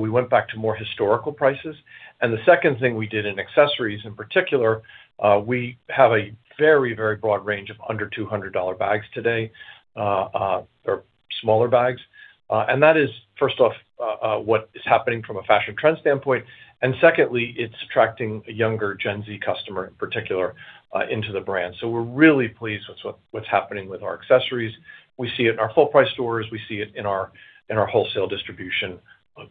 We went back to more historical prices. The second thing we did in accessories, in particular, we have a very, very broad range of under $200 bags today, or smaller bags. That is, first off, what is happening from a fashion trend standpoint, secondly, it's attracting a younger Gen Z customer in particular into the brand. We're really pleased with what's happening with our accessories. We see it in our full price stores. We see it in our wholesale distribution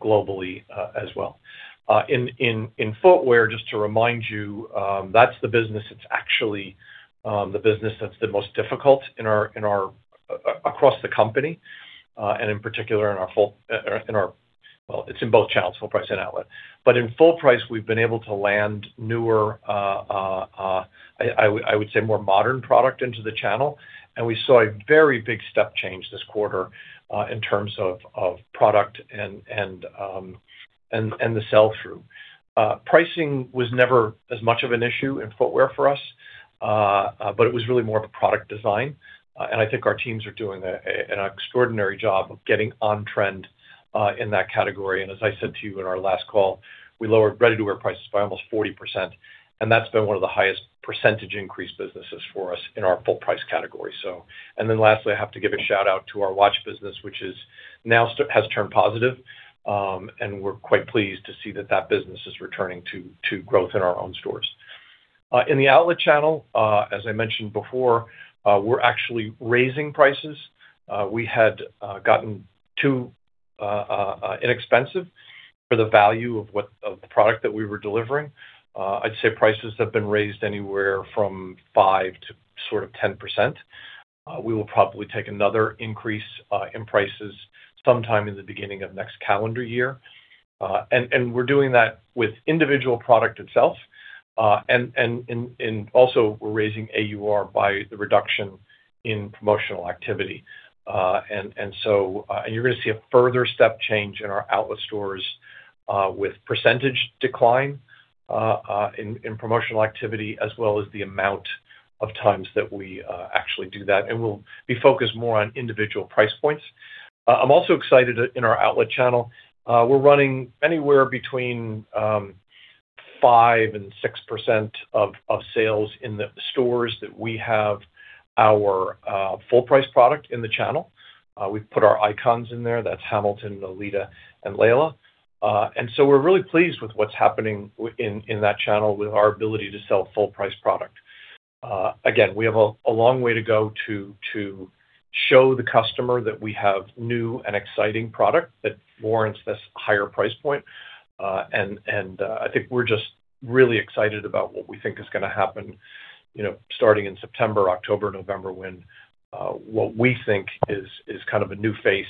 globally as well. In footwear, just to remind you, that's actually the business that's the most difficult across the company, in particular in our. Well, it's in both channels, full price and outlet. In full price, we've been able to land newer, I would say, more modern product into the channel, we saw a very big step change this quarter in terms of product and the sell-through. Pricing was never as much of an issue in footwear for us, it was really more of a product design. I think our teams are doing an extraordinary job of getting on-trend in that category. As I said to you in our last call, we lowered ready-to-wear prices by almost 40%, that's been one of the highest percentage increase businesses for us in our full price category. Then lastly, I have to give a shout-out to our watch business, which now has turned positive. We're quite pleased to see that that business is returning to growth in our own stores. In the outlet channel, as I mentioned before, we're actually raising prices. We had gotten too inexpensive for the value of the product that we were delivering. I'd say prices have been raised anywhere from 5% to sort of 10%. We will probably take another increase in prices sometime in the beginning of next calendar year. We're doing that with individual product itself, also we're raising AUR by the reduction in promotional activity. You're going to see a further step change in our outlet stores with percentage decline in promotional activity, as well as the amount of times that we actually do that, and we'll be focused more on individual price points. I'm also excited in our outlet channel. We're running anywhere between 5%-6% of sales in the stores that we have our full-price product in the channel. We've put our icons in there. That's Hamilton, Nolita, and Laila. So we're really pleased with what's happening in that channel with our ability to sell full-price product. Again, we have a long way to go to show the customer that we have new and exciting product that warrants this higher price point. I think we're just really excited about what we think is going to happen starting in September, October, November, when what we think is kind of a new face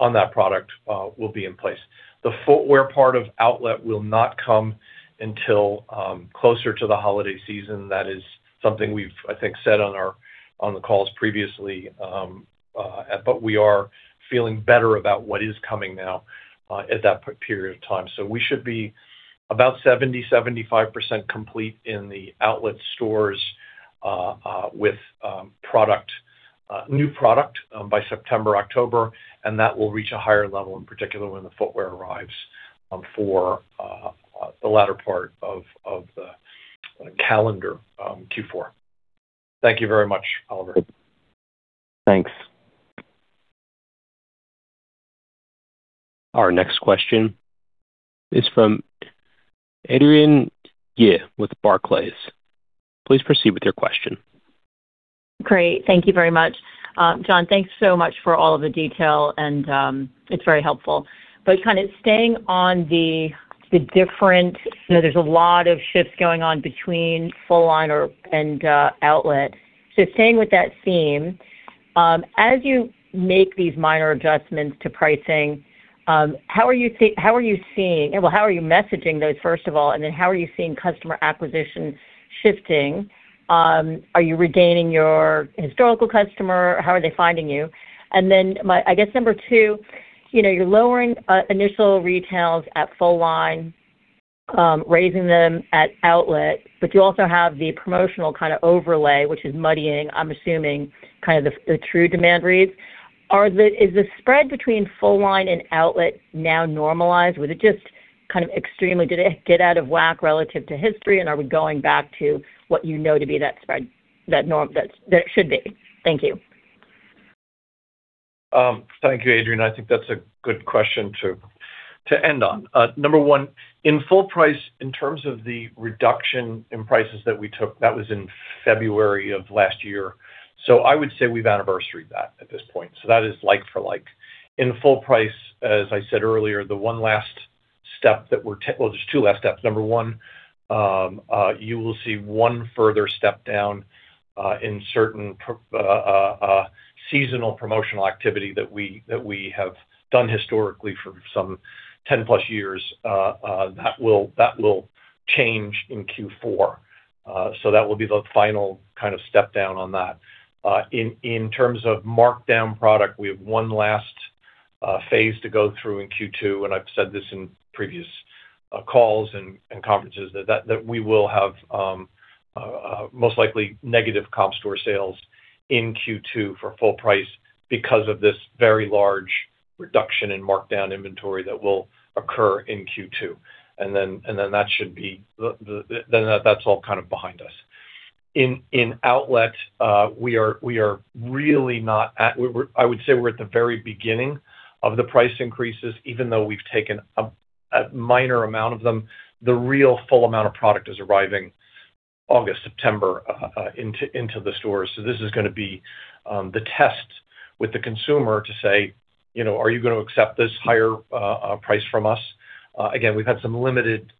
on that product will be in place. The footwear part of outlet will not come until closer to the holiday season. That is something we've, I think, said on the calls previously. We are feeling better about what is coming now at that period of time. We should be about 70%-75% complete in the outlet stores with new product by September, October, and that will reach a higher level, in particular, when the footwear arrives for the latter part of the calendar Q4. Thank you very much, Oliver. Thanks. Our next question is from Adrienne Yih with Barclays. Please proceed with your question. Great. Thank you very much. John, thanks so much for all of the detail, it's very helpful. Kind of staying on the different-- there's a lot of shifts going on between full-line and outlet. Staying with that theme, as you make these minor adjustments to pricing, how are you messaging those, first of all, and then how are you seeing customer acquisition shifting? Are you regaining your historical customer? How are they finding you? Then, I guess number two, you're lowering initial retails at full-line, raising them at outlet, you also have the promotional overlay, which is muddying, I'm assuming, the true demand reads. Is the spread between full-line and outlet now normalized? Was it just extremely get out of whack relative to history, are we going back to what you know to be that spread, that norm that should be? Thank you. Thank you, Adrienne. I think that's a good question to end on. Number one, in full price, in terms of the reduction in prices that we took, that was in February of last year. I would say we've anniversaried that at this point. That is like for like. In full price, as I said earlier, the one last step, well, there's two last steps. Number one, you will see one further step down in certain seasonal promotional activity that we have done historically for some 10+ years. That will change in Q4. That will be the final step down on that. In terms of markdown product, we have one last phase to go through in Q2. I've said this in previous calls and conferences, that we will have most likely negative comp store sales in Q2 for full price because of this very large reduction in markdown inventory that will occur in Q2. That's all behind us. In outlet, I would say we're at the very beginning of the price increases, even though we've taken a minor amount of them. The real full amount of product is arriving August, September into the stores. This is going to be the test with the consumer to say, "Are you going to accept this higher price from us?" Again, we've had some limited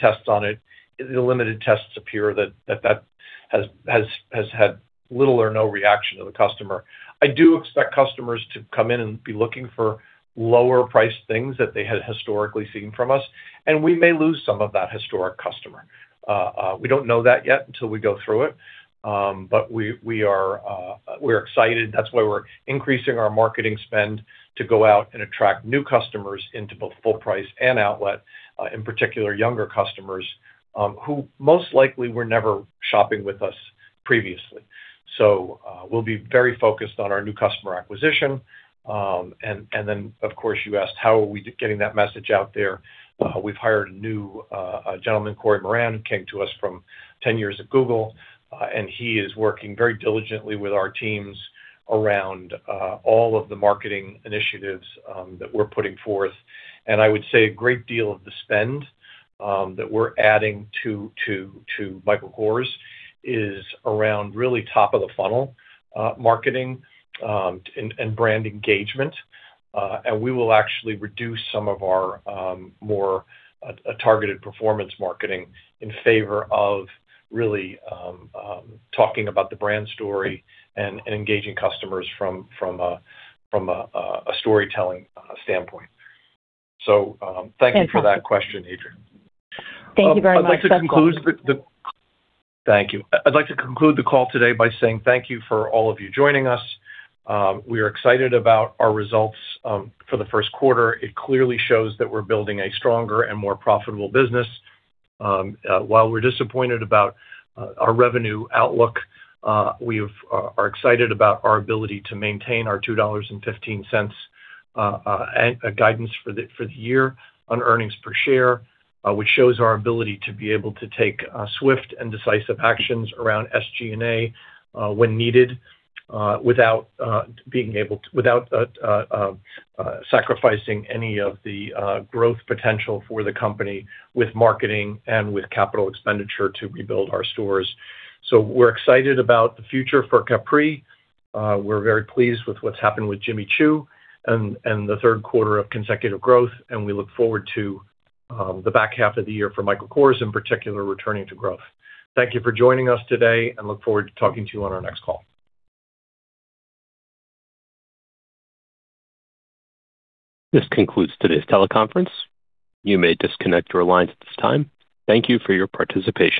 tests on it. The limited tests appear that has had little or no reaction to the customer. I do expect customers to come in and be looking for lower-priced things that they had historically seen from us, and we may lose some of that historic customer. We don't know that yet until we go through it. We're excited. That's why we're increasing our marketing spend to go out and attract new customers into both full price and outlet, in particular, younger customers who most likely were never shopping with us previously. We'll be very focused on our new customer acquisition. Of course, you asked how are we getting that message out there. We've hired a new gentleman, Corey Moran, who came to us from 10 years at Google, and he is working very diligently with our teams around all of the marketing initiatives that we're putting forth. I would say a great deal of the spend that we're adding to Michael Kors is around really top of the funnel marketing and brand engagement. We will actually reduce some of our more targeted performance marketing in favor of really talking about the brand story and engaging customers from a storytelling standpoint. Thank you for that question, Adrienne. Thank you very much. Thank you. I'd like to conclude the call today by saying thank you for all of you joining us. We are excited about our results for the first quarter. It clearly shows that we're building a stronger and more profitable business. While we're disappointed about our revenue outlook, we are excited about our ability to maintain our $2.15 guidance for the year on earnings per share, which shows our ability to be able to take swift and decisive actions around SG&A when needed without sacrificing any of the growth potential for the company with marketing and with capital expenditure to rebuild our stores. We're excited about the future for Capri. We're very pleased with what's happened with Jimmy Choo and the third quarter of consecutive growth. We look forward to the back half of the year for Michael Kors, in particular, returning to growth. Thank you for joining us today, and look forward to talking to you on our next call. This concludes today's teleconference. You may disconnect your lines at this time. Thank you for your participation.